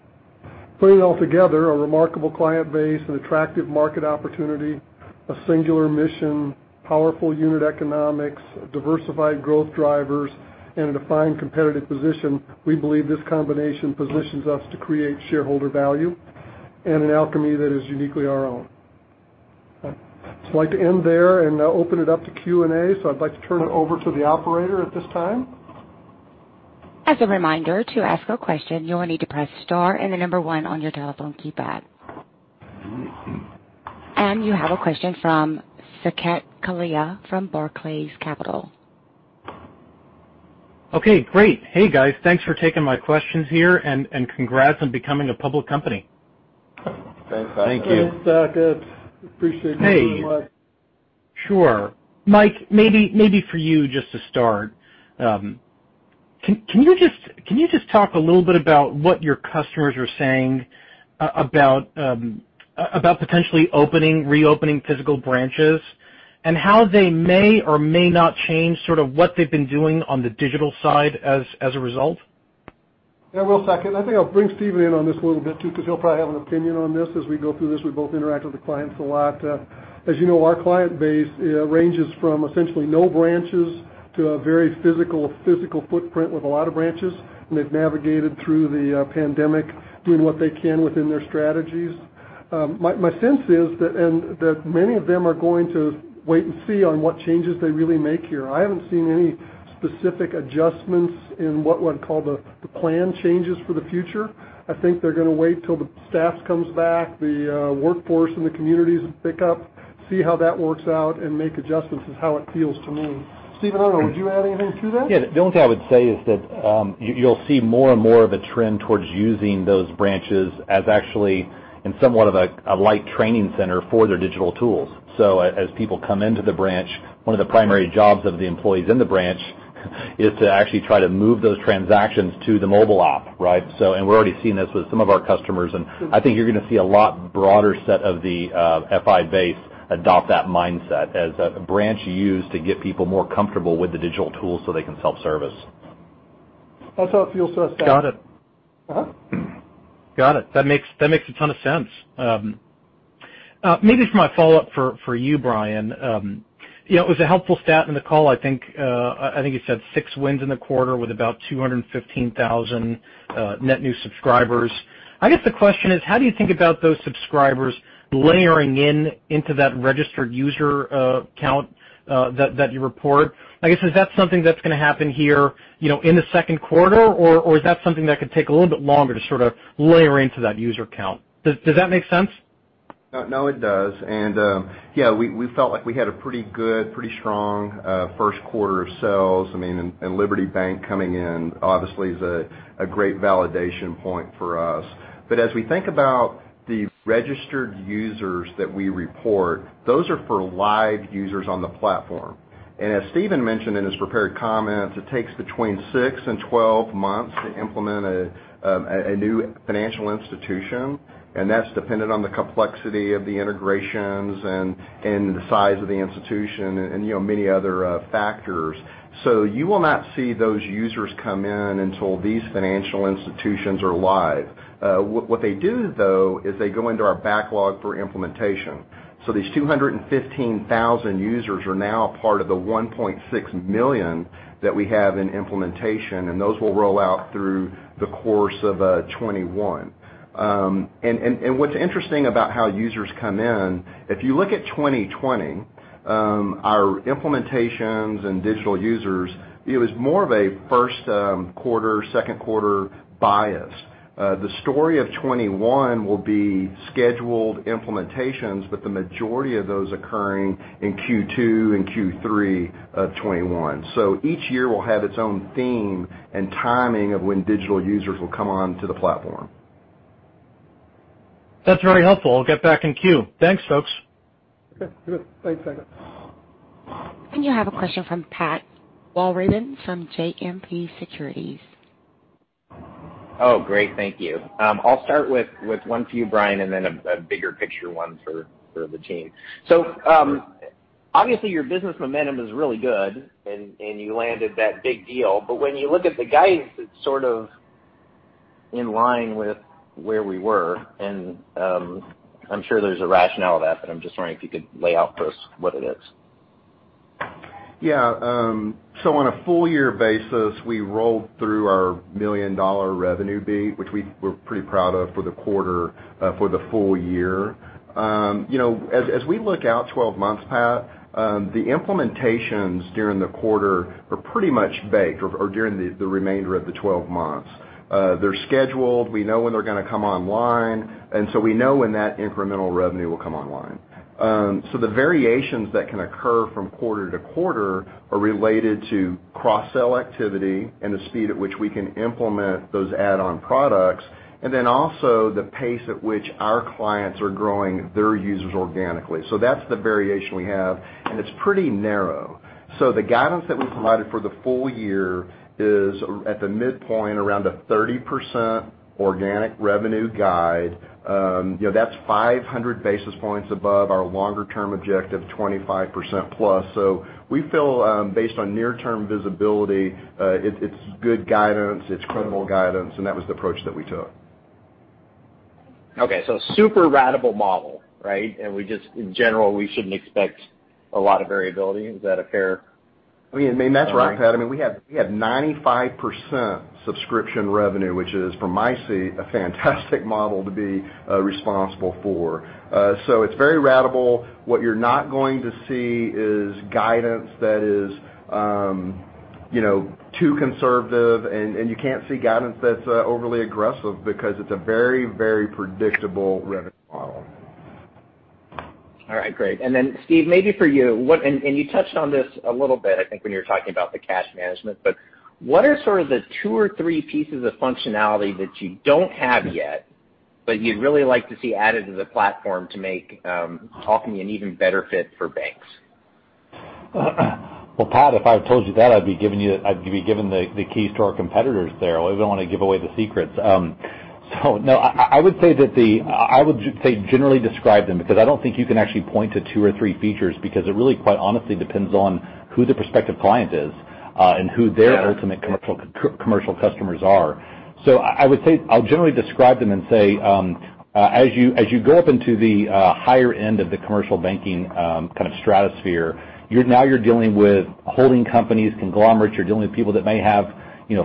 Putting it all together, a remarkable client base, an attractive market opportunity, a singular mission, powerful unit economics, diversified growth drivers, and a defined competitive position, we believe this combination positions us to create shareholder value and an Alkami that is uniquely our own. I'd like to end there and open it up to Q&A. I'd like to turn it over to the operator at this time. As a reminder, to ask a question, you will need to press star and the number one on your telephone keypad. You have a question from Saket Kalia from Barclays Capital. Okay, great. Hey, guys, thanks for taking my questions here, and congrats on becoming a public company. Thanks, Saket. Thanks, Saket. Appreciate that very much. Sure. Mike, maybe for you just to start. Can you just talk a little bit about what your customers are saying about potentially reopening physical branches and how they may or may not change sort of what they've been doing on the digital side as a result? Yeah, will Saket. I think I'll bring Stephen in on this a little bit too, because he'll probably have an opinion on this as we go through this. We both interact with the clients a lot. As you know, our client base ranges from essentially no branches to a very physical footprint with a lot of branches, and they've navigated through the pandemic, doing what they can within their strategies. My sense is that many of them are going to wait and see on what changes they really make here. I haven't seen any specific adjustments in what I'd call the plan changes for the future. I think they're going to wait till the staff comes back, the workforce and the communities pick up, see how that works out, and make adjustments, is how it feels to me. Stephen Bohanon, would you add anything to that? Yeah. The only thing I would say is that you'll see more and more of a trend towards using those branches as actually in somewhat of a light training center for their digital tools. As people come into the branch, one of the primary jobs of the employees in the branch is to actually try to move those transactions to the mobile app, right? We're already seeing this with some of our customers, and I think you're going to see a lot broader set of the FI base adopt that mindset as a branch used to get people more comfortable with the digital tools so they can self-service. That's how it feels to us, Saket. Got it. Got it. That makes a ton of sense. Maybe for my follow-up for you, Bryan. It was a helpful stat in the call, I think you said six wins in the quarter with about 215,000 net new subscribers. I guess the question is, how do you think about those subscribers layering in into that registered user count that you report? I guess, is that something that's going to happen here in the Q2, or is that something that could take a little bit longer to sort of layer into that user count? Does that make sense? No, it does. Yeah, we felt like we had a pretty good, pretty strong Q1 of sales. I mean, Liberty Bank coming in obviously is a great validation point for us. As we think about the registered users that we report, those are for live users on the platform. As Stephen mentioned in his prepared comments, it takes between six and 12 months to implement a new financial institution, and that's dependent on the complexity of the integrations and the size of the institution and many other factors. You will not see those users come in until these financial institutions are live. What they do, though, is they go into our backlog for implementation. These 215,000 users are now part of the 1.6 million that we have in implementation, and those will roll out through the course of 2021. What's interesting about how users come in, if you look at 2020, our implementations and digital users, it was more of a Q1, Q2 bias. The story of 2021 will be scheduled implementations, but the majority of those occurring in Q2 and Q3 of 2021. Each year will have its own theme and timing of when digital users will come onto the platform. That's very helpful. I'll get back in queue. Thanks, folks. Okay, good. Thanks, Saket. You have a question from Patrick Walravens from JMP Securities. Great. Thank you. I'll start with one for you, Bryan, and then a bigger picture one for the team. When you look at the guidance, it's sort of in line with where we were. I'm sure there's a rationale to that, but I'm just wondering if you could lay out for us what it is. Yeah. On a full-year basis, we rolled through our $1 million revenue beat, which we're pretty proud of for the quarter, for the full year. We look out 12 months, Pat, the implementations during the quarter are pretty much baked or during the remainder of the 12 months. They're scheduled. We know when they're going to come online, we know when that incremental revenue will come online. The variations that can occur from quarter to quarter are related to cross-sell activity and the speed at which we can implement those add-on products, the pace at which our clients are growing their users organically. That's the variation we have, and it's pretty narrow. The guidance that we provided for the full year is at the midpoint, around a 30% organic revenue guide. That's 500 basis points above our longer-term objective, 25% plus. We feel, based on near-term visibility, it's good guidance, it's credible guidance, and that was the approach that we took. Okay. super ratable model, right? We just, in general, we shouldn't expect a lot of variability. Is that a fair- That's right, Pat. We have 95% subscription revenue, which is, from my seat, a fantastic model to be responsible for. It's very ratable. What you're not going to see is guidance that is too conservative, and you can't see guidance that's overly aggressive because it's a very predictable revenue model. All right, great. Then Steve, maybe for you touched on this a little bit, I think, when you were talking about the cash management. What are sort of the two or three pieces of functionality that you don't have yet, but you'd really like to see added to the platform to make Alkami an even better fit for banks? Well, Pat, if I told you that, I'd be giving the keys to our competitors there. I don't want to give away the secrets. No, I would say generally describe them because I don't think you can actually point to two or three features because it really quite honestly depends on who the prospective client is, and who their ultimate commercial customers are. I would say I'll generally describe them and say, as you go up into the higher end of the commercial banking kind of stratosphere, now you're dealing with holding companies, conglomerates. You're dealing with people that may have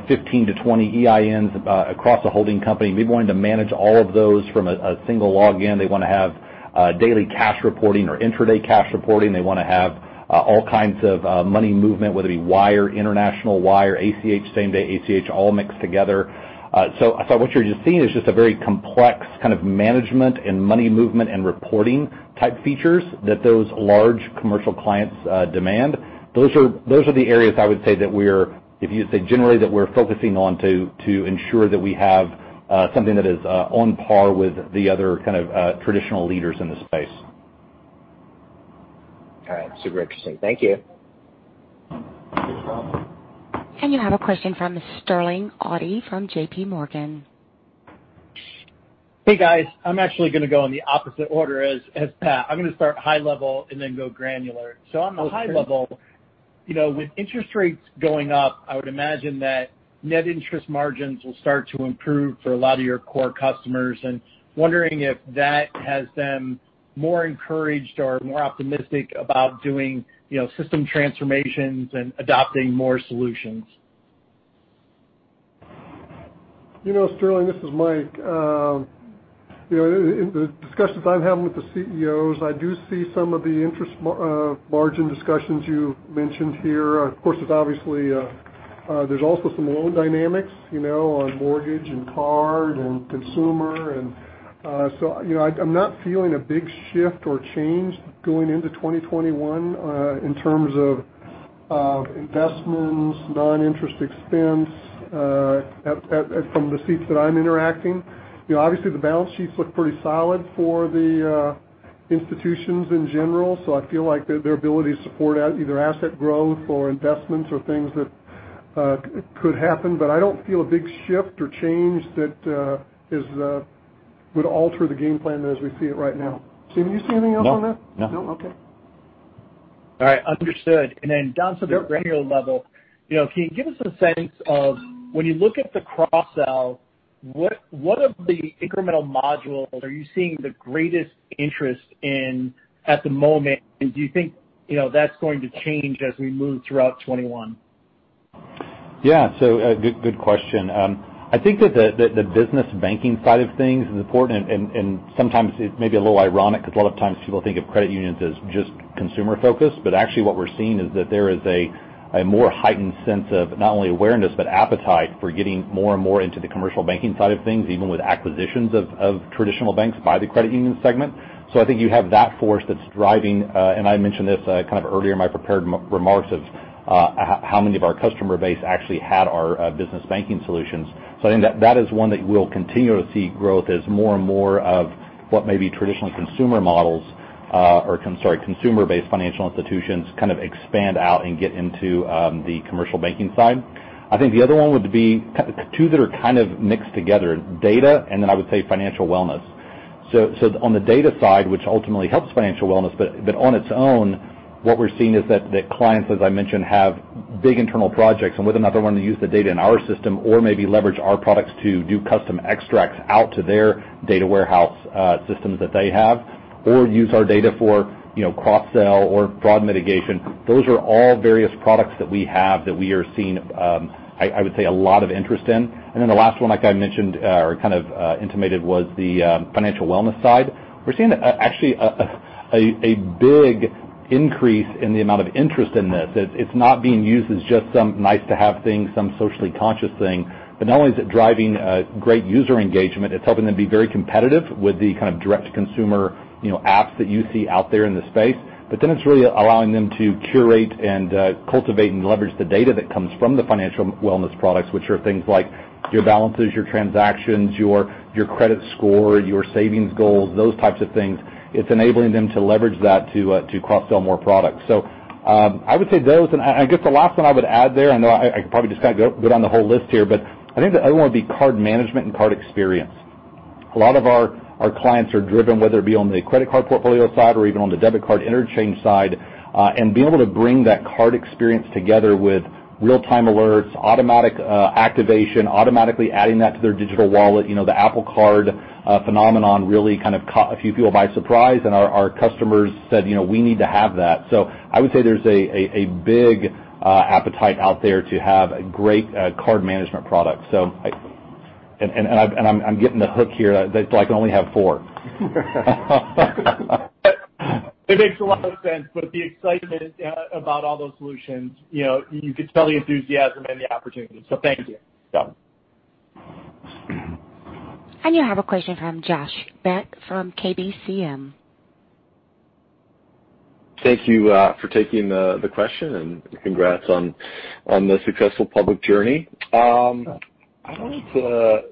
15 to 20 EINs across a holding company. They want to manage all of those from a single login. They want to have daily cash reporting or intraday cash reporting. They want to have all kinds of money movement, whether it be wire, international wire, ACH, same-day ACH, all mixed together. What you're just seeing is just a very complex kind of management and money movement and reporting type features that those large commercial clients demand. Those are the areas I would say that we're, if you say generally, that we're focusing on to ensure that we have something that is on par with the other kind of traditional leaders in the space. All right. Super interesting. Thank you. Thanks, Pat. You have a question from Sterling Auty from JPMorgan. Hey, guys. I'm actually going to go in the opposite order as Pat. I'm going to start high level and then go granular. On the high level, with interest rates going up, I would imagine that net interest margins will start to improve for a lot of your core customers. Wondering if that has them more encouraged or more optimistic about doing system transformations and adopting more solutions. Sterling Auty, this is Mike Hansen. In the discussions I'm having with the CEOs, I do see some of the interest margin discussions you mentioned here. Of course, there's also some loan dynamics on mortgage and card and consumer. I'm not feeling a big shift or change going into 2021 in terms of investments, non-interest expense from the seats that I'm interacting. Obviously, the balance sheets look pretty solid for the institutions in general, so I feel like their ability to support either asset growth or investments or things that could happen, but I don't feel a big shift or change that would alter the game plan as we see it right now. Stephen Bohanon, do you see anything else on that? No. No? Okay. All right. Understood. Down to the granular level, can you give us a sense of when you look at the cross-sell, what of the incremental modules are you seeing the greatest interest in at the moment? Do you think that's going to change as we move throughout 2021? Yeah. Good question. I think that the business banking side of things is important, and sometimes it may be a little ironic because a lot of times people think of credit unions as just consumer-focused. Actually what we're seeing is that there is a more heightened sense of not only awareness but appetite for getting more and more into the commercial banking side of things, even with acquisitions of traditional banks by the credit union segment. I think you have that force that's driving, and I mentioned this earlier in my prepared remarks, of how many of our customer base actually had our business banking solutions. I think that is one that we'll continue to see growth as more and more of what may be traditional consumer-based financial institutions kind of expand out and get into the commercial banking side. I think the other one would be two that are kind of mixed together, data, and then I would say financial wellness. On the data side, which ultimately helps financial wellness, but on its own, what we're seeing is that the clients, as I mentioned, have big internal projects and would then either want to use the data in our system or maybe leverage our products to do custom extracts out to their data warehouse systems that they have, or use our data for cross-sell or fraud mitigation. Those are all various products that we have that we are seeing, I would say, a lot of interest in. The last one, like I mentioned or kind of intimated, was the financial wellness side. We're seeing actually a big increase in the amount of interest in this. It's not being used as just some nice-to-have thing, some socially conscious thing. Not only is it driving great user engagement, it's helping them be very competitive with the kind of direct-to-consumer apps that you see out there in the space. It's really allowing them to curate and cultivate and leverage the data that comes from the financial wellness products, which are things like your balances, your transactions, your credit score, your savings goals, those types of things. It's enabling them to leverage that to cross-sell more products. I would say those, and I guess the last one I would add there, I know I probably just got to go down the whole list here, but I think the other one would be card management and card experience. A lot of our clients are driven, whether it be on the credit card portfolio side or even on the debit card interchange side, and being able to bring that card experience together with real-time alerts, automatic activation, automatically adding that to their digital wallet. The Apple Card phenomenon really kind of caught a few people by surprise, and our customers said, "We need to have that." I would say there's a big appetite out there to have a great card management product. I'm getting the hook here that I can only have four. It makes a lot of sense with the excitement about all those solutions. You could tell the enthusiasm and the opportunity. Thank you. You have a question from Josh Beck from KBCM. Thank you for taking the question. Congrats on the successful public journey. I wanted to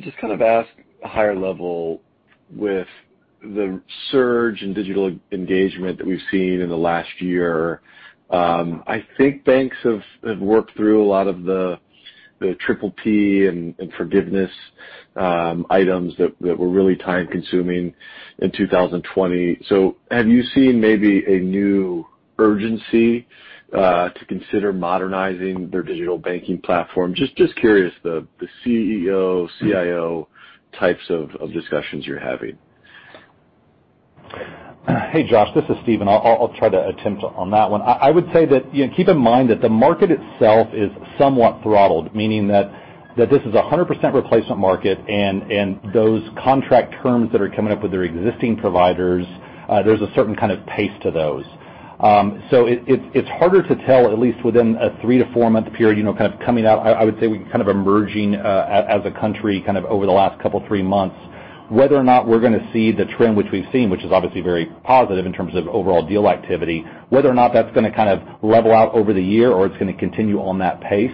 just kind of ask higher level with the surge in digital engagement that we've seen in the last year. I think banks have worked through a lot of the PPP and forgiveness items that were really time-consuming in 2020. Have you seen maybe a new urgency to consider modernizing their digital banking platform? Just curious, the CEO, CIO types of discussions you're having. Hey, Josh. This is Stephen. I'll try to attempt on that one. I would say that keep in mind that the market itself is somewhat throttled, meaning that this is 100% replacement market, and those contract terms that are coming up with their existing providers, there's a certain kind of pace to those. It's harder to tell, at least within a three- to four-month period, kind of coming out. I would say we kind of emerging as a country over the last couple three months, whether or not we're going to see the trend which we've seen, which is obviously very positive in terms of overall deal activity, whether or not that's going to level out over the year or it's going to continue on that pace.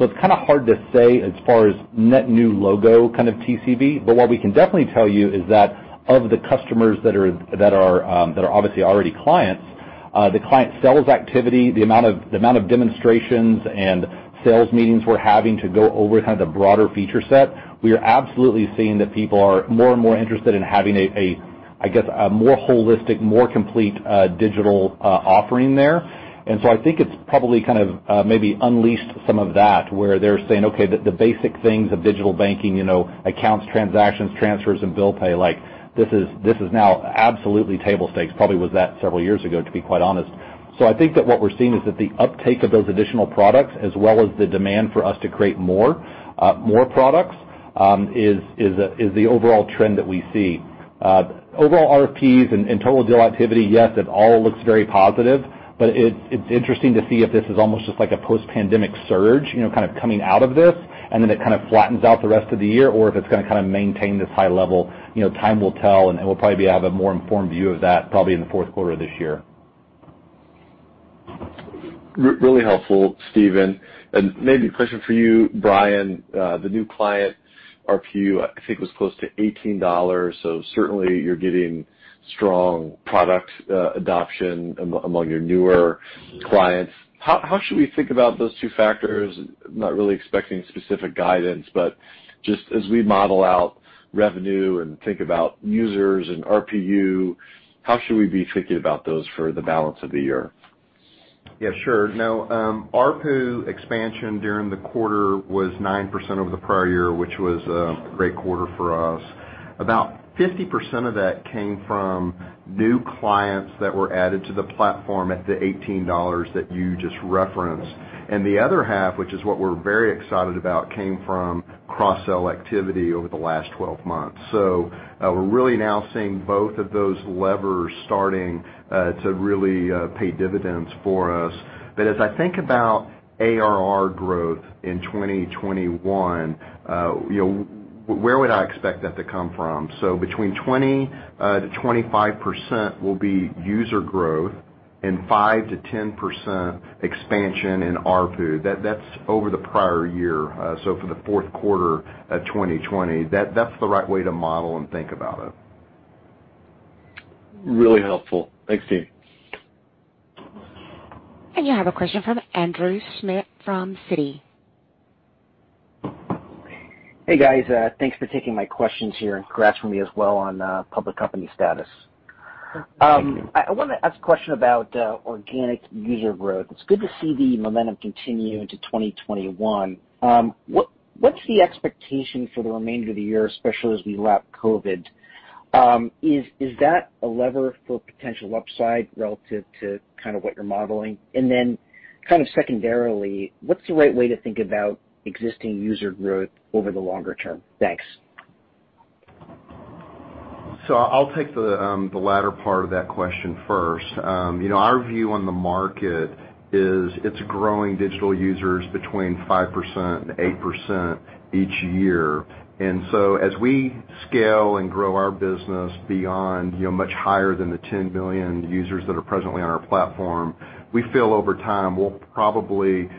It's kind of hard to say as far as net new logo kind of TCV. What we can definitely tell you is that of the customers that are obviously already clients, the client sales activity, the amount of demonstrations and sales meetings we're having to go over kind of the broader feature set, we are absolutely seeing that people are more and more interested in having, I guess, a more holistic, more complete digital offering there. I think it's probably maybe unleashed some of that, where they're saying, okay, the basic things of digital banking, accounts, transactions, transfers, and bill pay, this is now absolutely table stakes. Probably was that several years ago, to be quite honest. I think that what we're seeing is that the uptake of those additional products as well as the demand for us to create more products is the overall trend that we see. Overall RFPs and total deal activity, yes, it all looks very positive. It's interesting to see if this is almost just like a post-pandemic surge coming out of this, and then it kind of flattens out the rest of the year, or if it's going to maintain this high level. Time will tell. We'll probably have a more informed view of that probably in the Q4 of this year. Really helpful, Stephen. Maybe a question for you, Bryan. The new client RPU, I think, was close to $18. Certainly you're getting strong product adoption among your newer clients. How should we think about those two factors? Not really expecting specific guidance, but just as we model out revenue and think about users and RPU, how should we be thinking about those for the balance of the year? Yeah, sure. RPU expansion during the quarter was 9% over the prior year, which was a great quarter for us. About 50% of that came from new clients that were added to the Alkami Platform at the $18 that you just referenced. The other half, which is what we're very excited about, came from cross-sell activity over the last 12 months. We're really now seeing both of those levers starting to really pay dividends for us. As I think about ARR growth in 2021, where would I expect that to come from? Between 20%-25% will be user growth, and 5%-10% expansion in ARPU. That's over the prior year, so for the Q4 of 2020. That's the right way to model and think about it. Really helpful. Thanks, Stephen. You have a question from Andrew Smith from Citi. Hey, guys. Thanks for taking my questions here, and congrats from me as well on public company status. Thank you. I want to ask a question about organic user growth. It's good to see the momentum continue into 2021. What's the expectation for the remainder of the year, especially as we lap COVID? Is that a lever for potential upside relative to kind of what you're modeling? kind of secondarily, what's the right way to think about existing user growth over the longer term? Thanks. I'll take the latter part of that question first. Our view on the market is it's growing digital users between 5% and 8% each year. As we scale and grow our business beyond much higher than the 10 million users that are presently on our platform, we feel over time we'll probably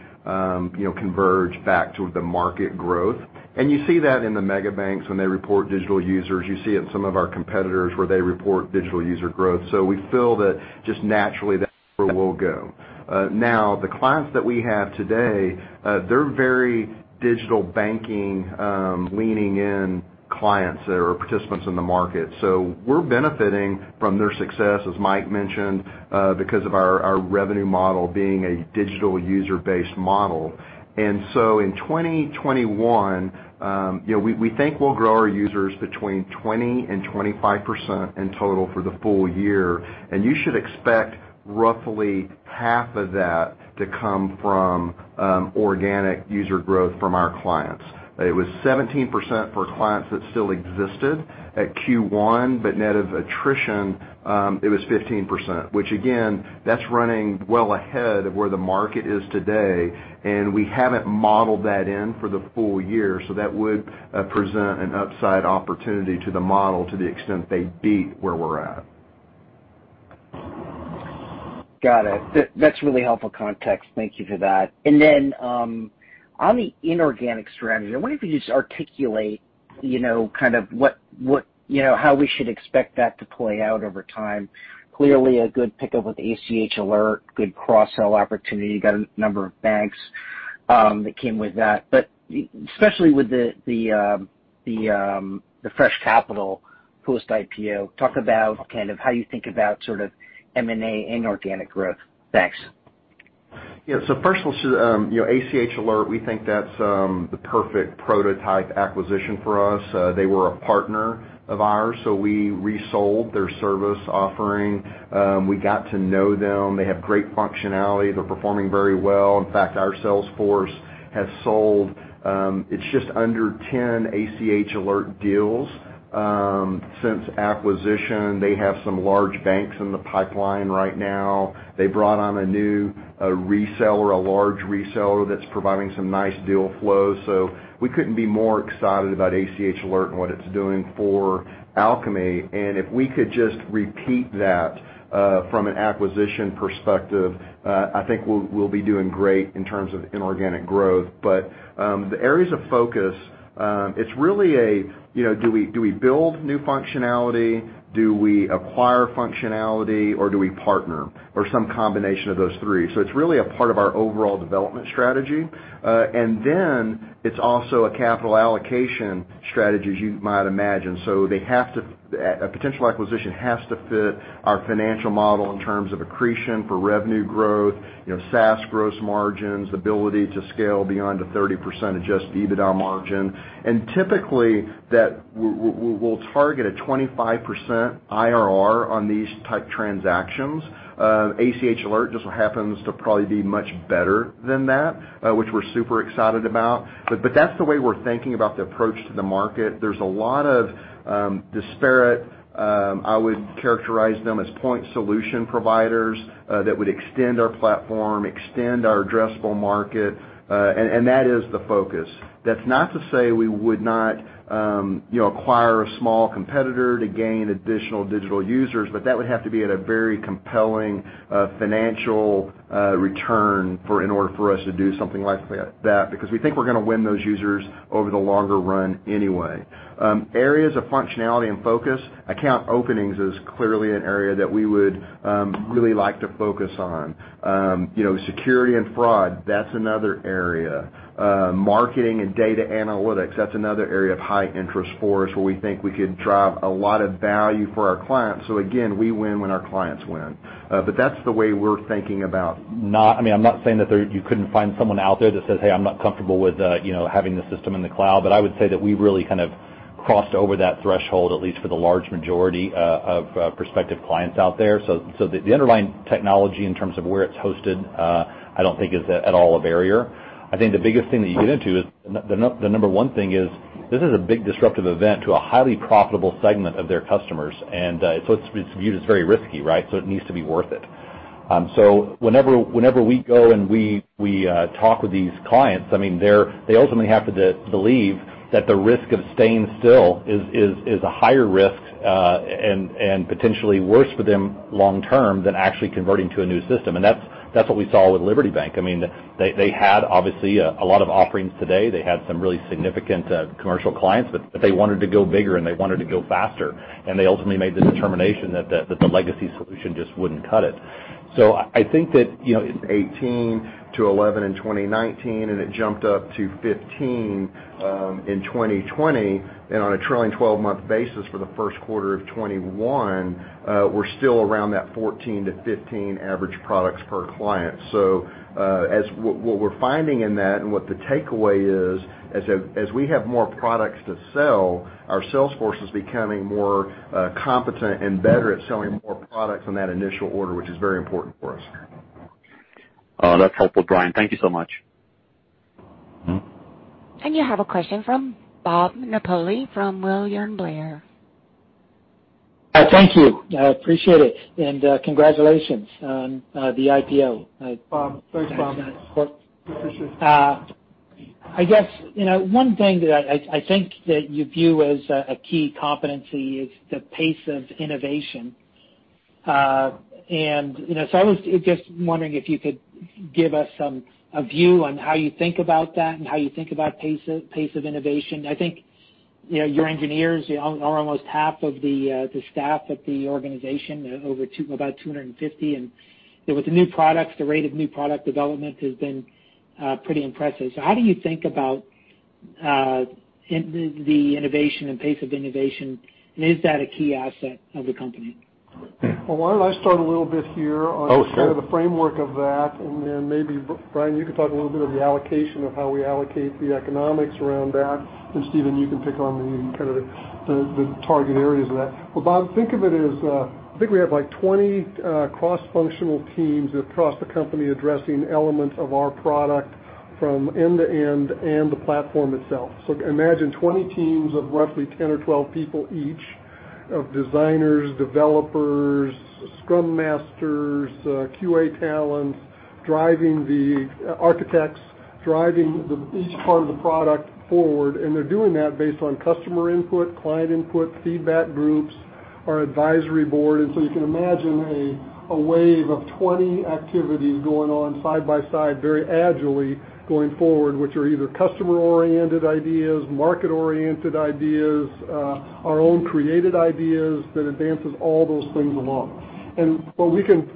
converge back to the market growth. You see that in the mega banks when they report digital users. You see it in some of our competitors where they report digital user growth. We feel that just naturally that's where we'll go. Now, the clients that we have today, they're very digital banking leaning in clients that are participants in the market. We're benefiting from their success, as Mike Hansen mentioned, because of our revenue model being a digital user-based model. In 2021, we think we'll grow our users between 20% and 25% in total for the full year. You should expect roughly half of that to come from organic user growth from our clients. It was 17% for clients that still existed at Q1, but net of attrition, it was 15%, which again, that's running well ahead of where the market is today, and we haven't modeled that in for the full year. That would present an upside opportunity to the model to the extent they beat where we're at. Got it. That's really helpful context. Thank you for that. Then on the inorganic strategy, I wonder if you could just articulate how we should expect that to play out over time. Clearly a good pickup with ACH Alert, good cross-sell opportunity. You got a number of banks that came with that. Especially with the fresh capital post-IPO, talk about kind of how you think about sort of M&A inorganic growth. Thanks. Yeah. First of all, ACH Alert, we think that's the perfect prototype acquisition for us. They were a partner of ours, so we resold their service offering. We got to know them. They have great functionality. They're performing very well. In fact, our sales force has sold, it's just under 10 ACH Alert deals since acquisition. They have some large banks in the pipeline right now. They brought on a new reseller, a large reseller that's providing some nice deal flow. We couldn't be more excited about ACH Alert and what it's doing for Alkami. If we could just repeat that from an acquisition perspective, I think we'll be doing great in terms of inorganic growth. The areas of focus, it's really a do we build new functionality? Do we acquire functionality or do we partner? Some combination of those three. It's really a part of our overall development strategy. It's also a capital allocation strategy, as you might imagine. A potential acquisition has to fit our financial model in terms of accretion for revenue growth, SaaS gross margins, ability to scale beyond a 30% adjusted EBITDA margin. Typically, we'll target a 25% IRR on these type transactions. ACH Alert just so happens to probably be much better than that, which we're super excited about. That's the way we're thinking about the approach to the market. There's a lot of disparate, I would characterize them as point solution providers that would extend our platform, extend our addressable market. That is the focus. That's not to say we would not acquire a small competitor to gain additional digital users, but that would have to be at a very compelling financial return in order for us to do something like that, because we think we're going to win those users over the longer run anyway. Areas of functionality and focus, account openings is clearly an area that we would really like to focus on. Security and fraud, that's another area. Marketing and data analytics, that's another area of high interest for us where we think we could drive a lot of value for our clients. Again, we win when our clients win. That's the way we're thinking about. I'm not saying that you couldn't find someone out there that says, "Hey, I'm not comfortable with having the system in the cloud." I would say that we really crossed over that threshold, at least for the large majority of prospective clients out there. The underlying technology, in terms of where it's hosted, I don't think is at all a barrier. I think the biggest thing that you get into is, the number one thing is this is a big disruptive event to a highly profitable segment of their customers. It's viewed as very risky, right? It needs to be worth it. Whenever we go and we talk with these clients, they ultimately have to believe that the risk of staying still is a higher risk, and potentially worse for them long term, than actually converting to a new system. That's what we saw with Liberty Bank. They had, obviously, a lot of offerings today. They had some really significant commercial clients, they wanted to go bigger and they wanted to go faster. They ultimately made the determination that the legacy solution just wouldn't cut it. I think 18-11 in 2019, and it jumped up to 15 in 2020. On a trailing 12-month basis for the Q1 of 2021, we're still around that 14-15 average products per client. What we're finding in that, and what the takeaway is, as we have more products to sell, our sales force is becoming more competent and better at selling more products on that initial order, which is very important for us. That's helpful, Bryan. Thank you so much. You have a question from Robert Napoli from William Blair. Thank you. I appreciate it. Congratulations on the IPO. Bob, thanks, Bob. Appreciate it. I guess one thing that I think that you view as a key competency is the pace of innovation. I was just wondering if you could give us a view on how you think about that and how you think about pace of innovation. I think your engineers are almost half of the staff at the organization, about 250, and with the new products, the rate of new product development has been pretty impressive. How do you think about the innovation and pace of innovation, and is that a key asset of the company? Well, why don't I start a little bit here. Oh, sure. Maybe, Bryan, you could talk a little bit of the allocation of how we allocate the economics around that. Stephen, you can pick on the target areas of that. Bob, think of it as, I think we have 20 cross-functional teams across the company addressing elements of our product from end to end, and the platform itself. Imagine 20 teams of roughly 10 or 12 people each, of designers, developers, scrum masters, QA talents, architects, driving each part of the product forward. They're doing that based on customer input, client input, feedback groups, our advisory board. You can imagine a wave of 20 activities going on side by side, very agilely going forward, which are either customer-oriented ideas, market-oriented ideas, our own created ideas, that advances all those things along.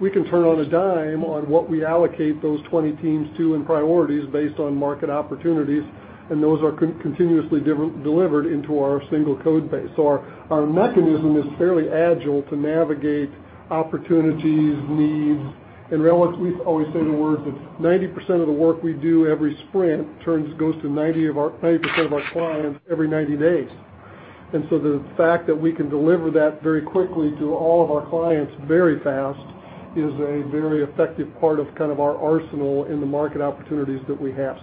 We can turn on a dime on what we allocate those 20 teams to and priorities based on market opportunities, and those are continuously delivered into our single code base. Our mechanism is fairly agile to navigate opportunities, needs. In Relics, we always say the words that 90% of the work we do every sprint goes to 90% of our clients every 90 days. The fact that we can deliver that very quickly to all of our clients very fast is a very effective part of our arsenal in the market opportunities that we have.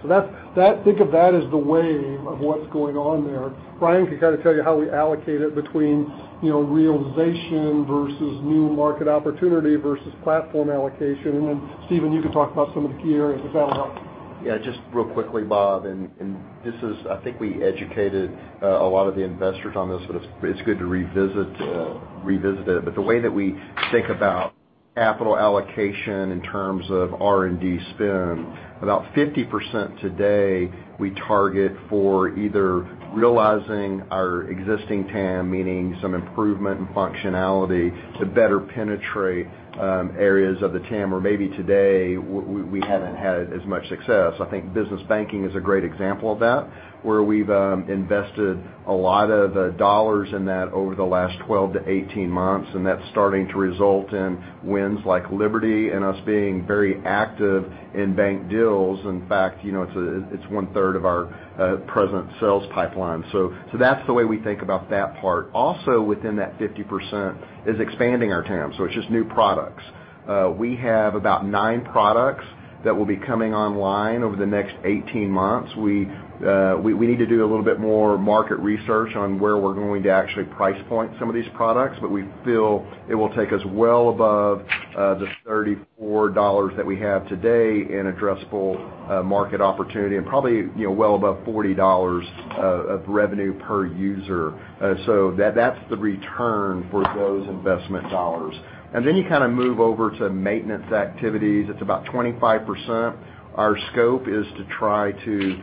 Think of that as the wave of what's going on there. Bryan can tell you how we allocate it between realization versus new market opportunity versus platform allocation. Then Stephen, you can talk about some of the key areas. Does that help? Yeah, just real quickly, Bob, I think we educated a lot of the investors on this, it's good to revisit it. The way that we think about capital allocation in terms of R&D spend, about 50% today we target for either realizing our existing TAM, meaning some improvement in functionality to better penetrate areas of the TAM, where maybe today we haven't had as much success. I think business banking is a great example of that, where we've invested a lot of dollars in that over the last 12 to 18 months, that's starting to result in wins like Liberty and us being very active in bank deals. In fact, it's one-third of our present sales pipeline. That's the way we think about that part. Also within that 50% is expanding our TAM. It's just new products. We have about nine products that will be coming online over the next 18 months. We need to do a little bit more market research on where we're going to actually price point some of these products, but we feel it will take us well above the $34 that we have today in addressable market opportunity and probably well above $40 of revenue per user. That's the return for those investment dollars. You move over to maintenance activities. It's about 25%. Our scope is to try to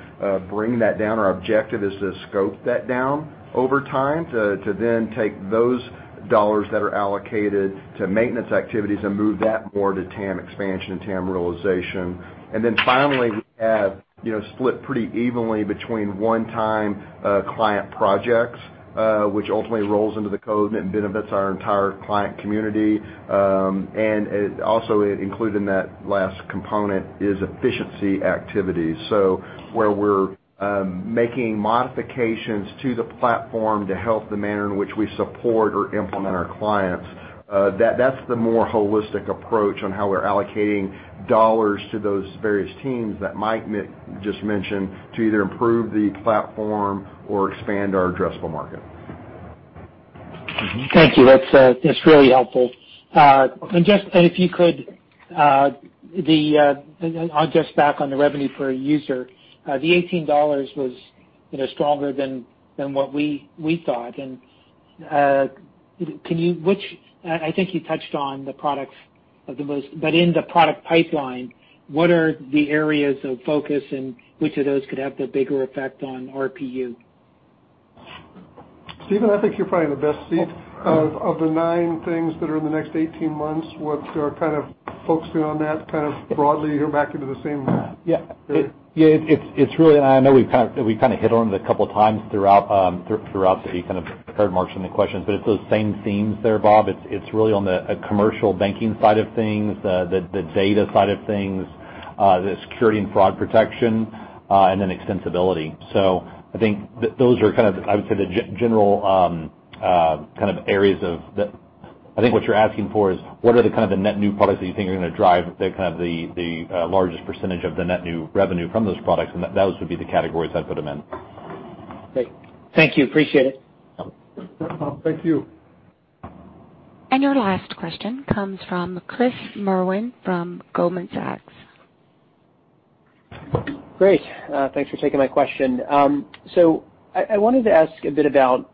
bring that down. Our objective is to scope that down over time to then take those dollars that are allocated to maintenance activities and move that more to TAM expansion and TAM realization. Finally, we have split pretty evenly between one-time client projects, which ultimately rolls into the code and benefits our entire client community. Also included in that last component is efficiency activities. Where we're making modifications to the platform to help the manner in which we support or implement our clients, that's the more holistic approach on how we're allocating dollars to those various teams that Mike just mentioned to either improve the platform or expand our addressable market. Thank you. That's really helpful. If you could, just back on the revenue per user, the $18 was stronger than what we thought. I think you touched on the products the most, but in the product pipeline, what are the areas of focus, and which of those could have the bigger effect on RPU? Stephen, I think you're probably in the best seat. Of the nine things that are in the next 18 months, what are focusing on that broadly back into the same. Yeah. I know we've kind of hit on it a couple of times throughout the kind of prepared marks on the questions, but it's those same themes there, Bob. It's really on the commercial banking side of things, the data side of things, the security and fraud protection, and then extensibility. I think those are, I would say, the general areas. I think what you're asking for is what are the kind of the net new products that you think are going to drive the largest percentage of the net new revenue from those products, and those would be the categories I'd put them in. Great. Thank you. Appreciate it. No problem. Thank you. Your last question comes from Chris Merwin from Goldman Sachs. Great. Thanks for taking my question. I wanted to ask a bit about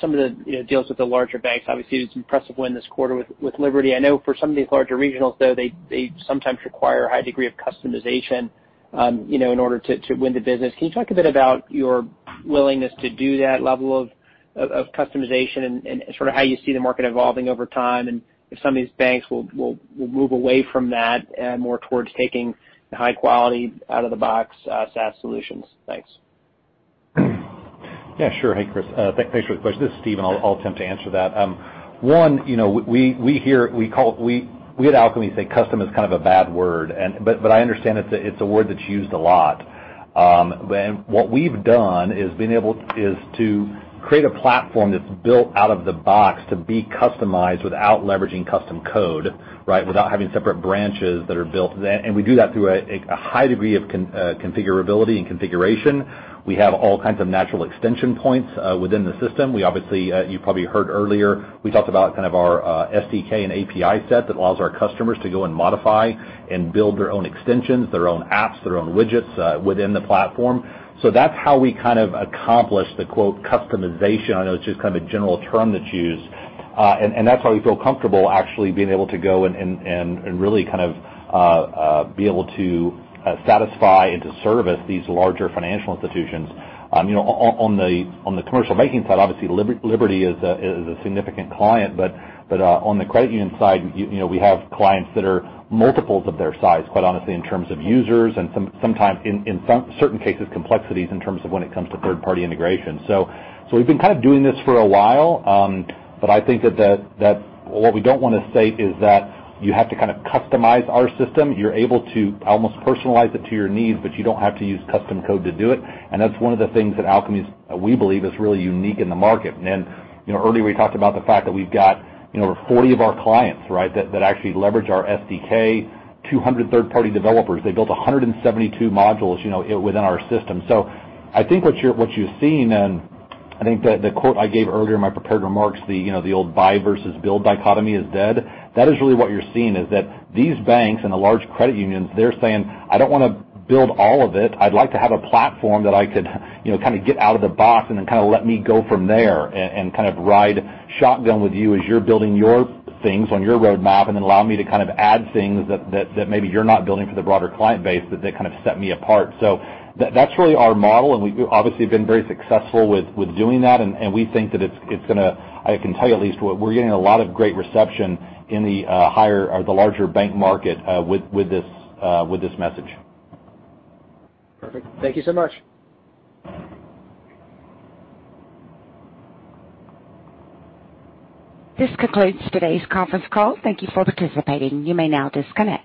some of the deals with the larger banks. Obviously, it's an impressive win this quarter with Liberty. I know for some of these larger regionals, though, they sometimes require a high degree of customization in order to win the business. Can you talk a bit about your willingness to do that level of customization and sort of how you see the market evolving over time, and if some of these banks will move away from that and more towards taking the high quality out-of-the-box SaaS solutions? Thanks. Yeah, sure. Hey, Chris. Thanks for the question. This is Stephen. I'll attempt to answer that. One, we at Alkami say custom is kind of a bad word, but I understand it's a word that's used a lot. What we've done is to create a platform that's built out of the box to be customized without leveraging custom code. Without having separate branches that are built. We do that through a high degree of configurability and configuration. We have all kinds of natural extension points within the system. You probably heard earlier, we talked about our SDK and API set that allows our customers to go and modify and build their own extensions, their own apps, their own widgets within the platform. That's how we kind of accomplish the quote customization. I know it's just kind of a general term that's used. That's why we feel comfortable actually being able to go and really be able to satisfy and to service these larger financial institutions. On the commercial banking side, obviously, Liberty is a significant client. On the credit union side, we have clients that are multiples of their size, quite honestly, in terms of users and sometimes in certain cases, complexities in terms of when it comes to third-party integration. We've been kind of doing this for a while. I think that what we don't want to say is that you have to kind of customize our system. You're able to almost personalize it to your needs, but you don't have to use custom code to do it. That's one of the things that we believe is really unique in the market. Earlier we talked about the fact that we've got over 40 of our clients that actually leverage our SDK, 200 third-party developers. They built 172 modules within our system. I think what you're seeing, and I think the quote I gave earlier in my prepared remarks, the old buy versus build dichotomy is dead. That is really what you're seeing, is that these banks and the large credit unions, they're saying, "I don't want to build all of it. I'd like to have a platform that I could kind of get out of the box and then let me go from there and ride shotgun with you as you're building your things on your roadmap, and then allow me to add things that maybe you're not building for the broader client base, but that kind of set me apart." That's really our model, and we obviously have been very successful with doing that, and we think that I can tell you at least we're getting a lot of great reception in the larger bank market with this message. Perfect. Thank you so much. This concludes today's conference call. Thank you for participating. You may now disconnect.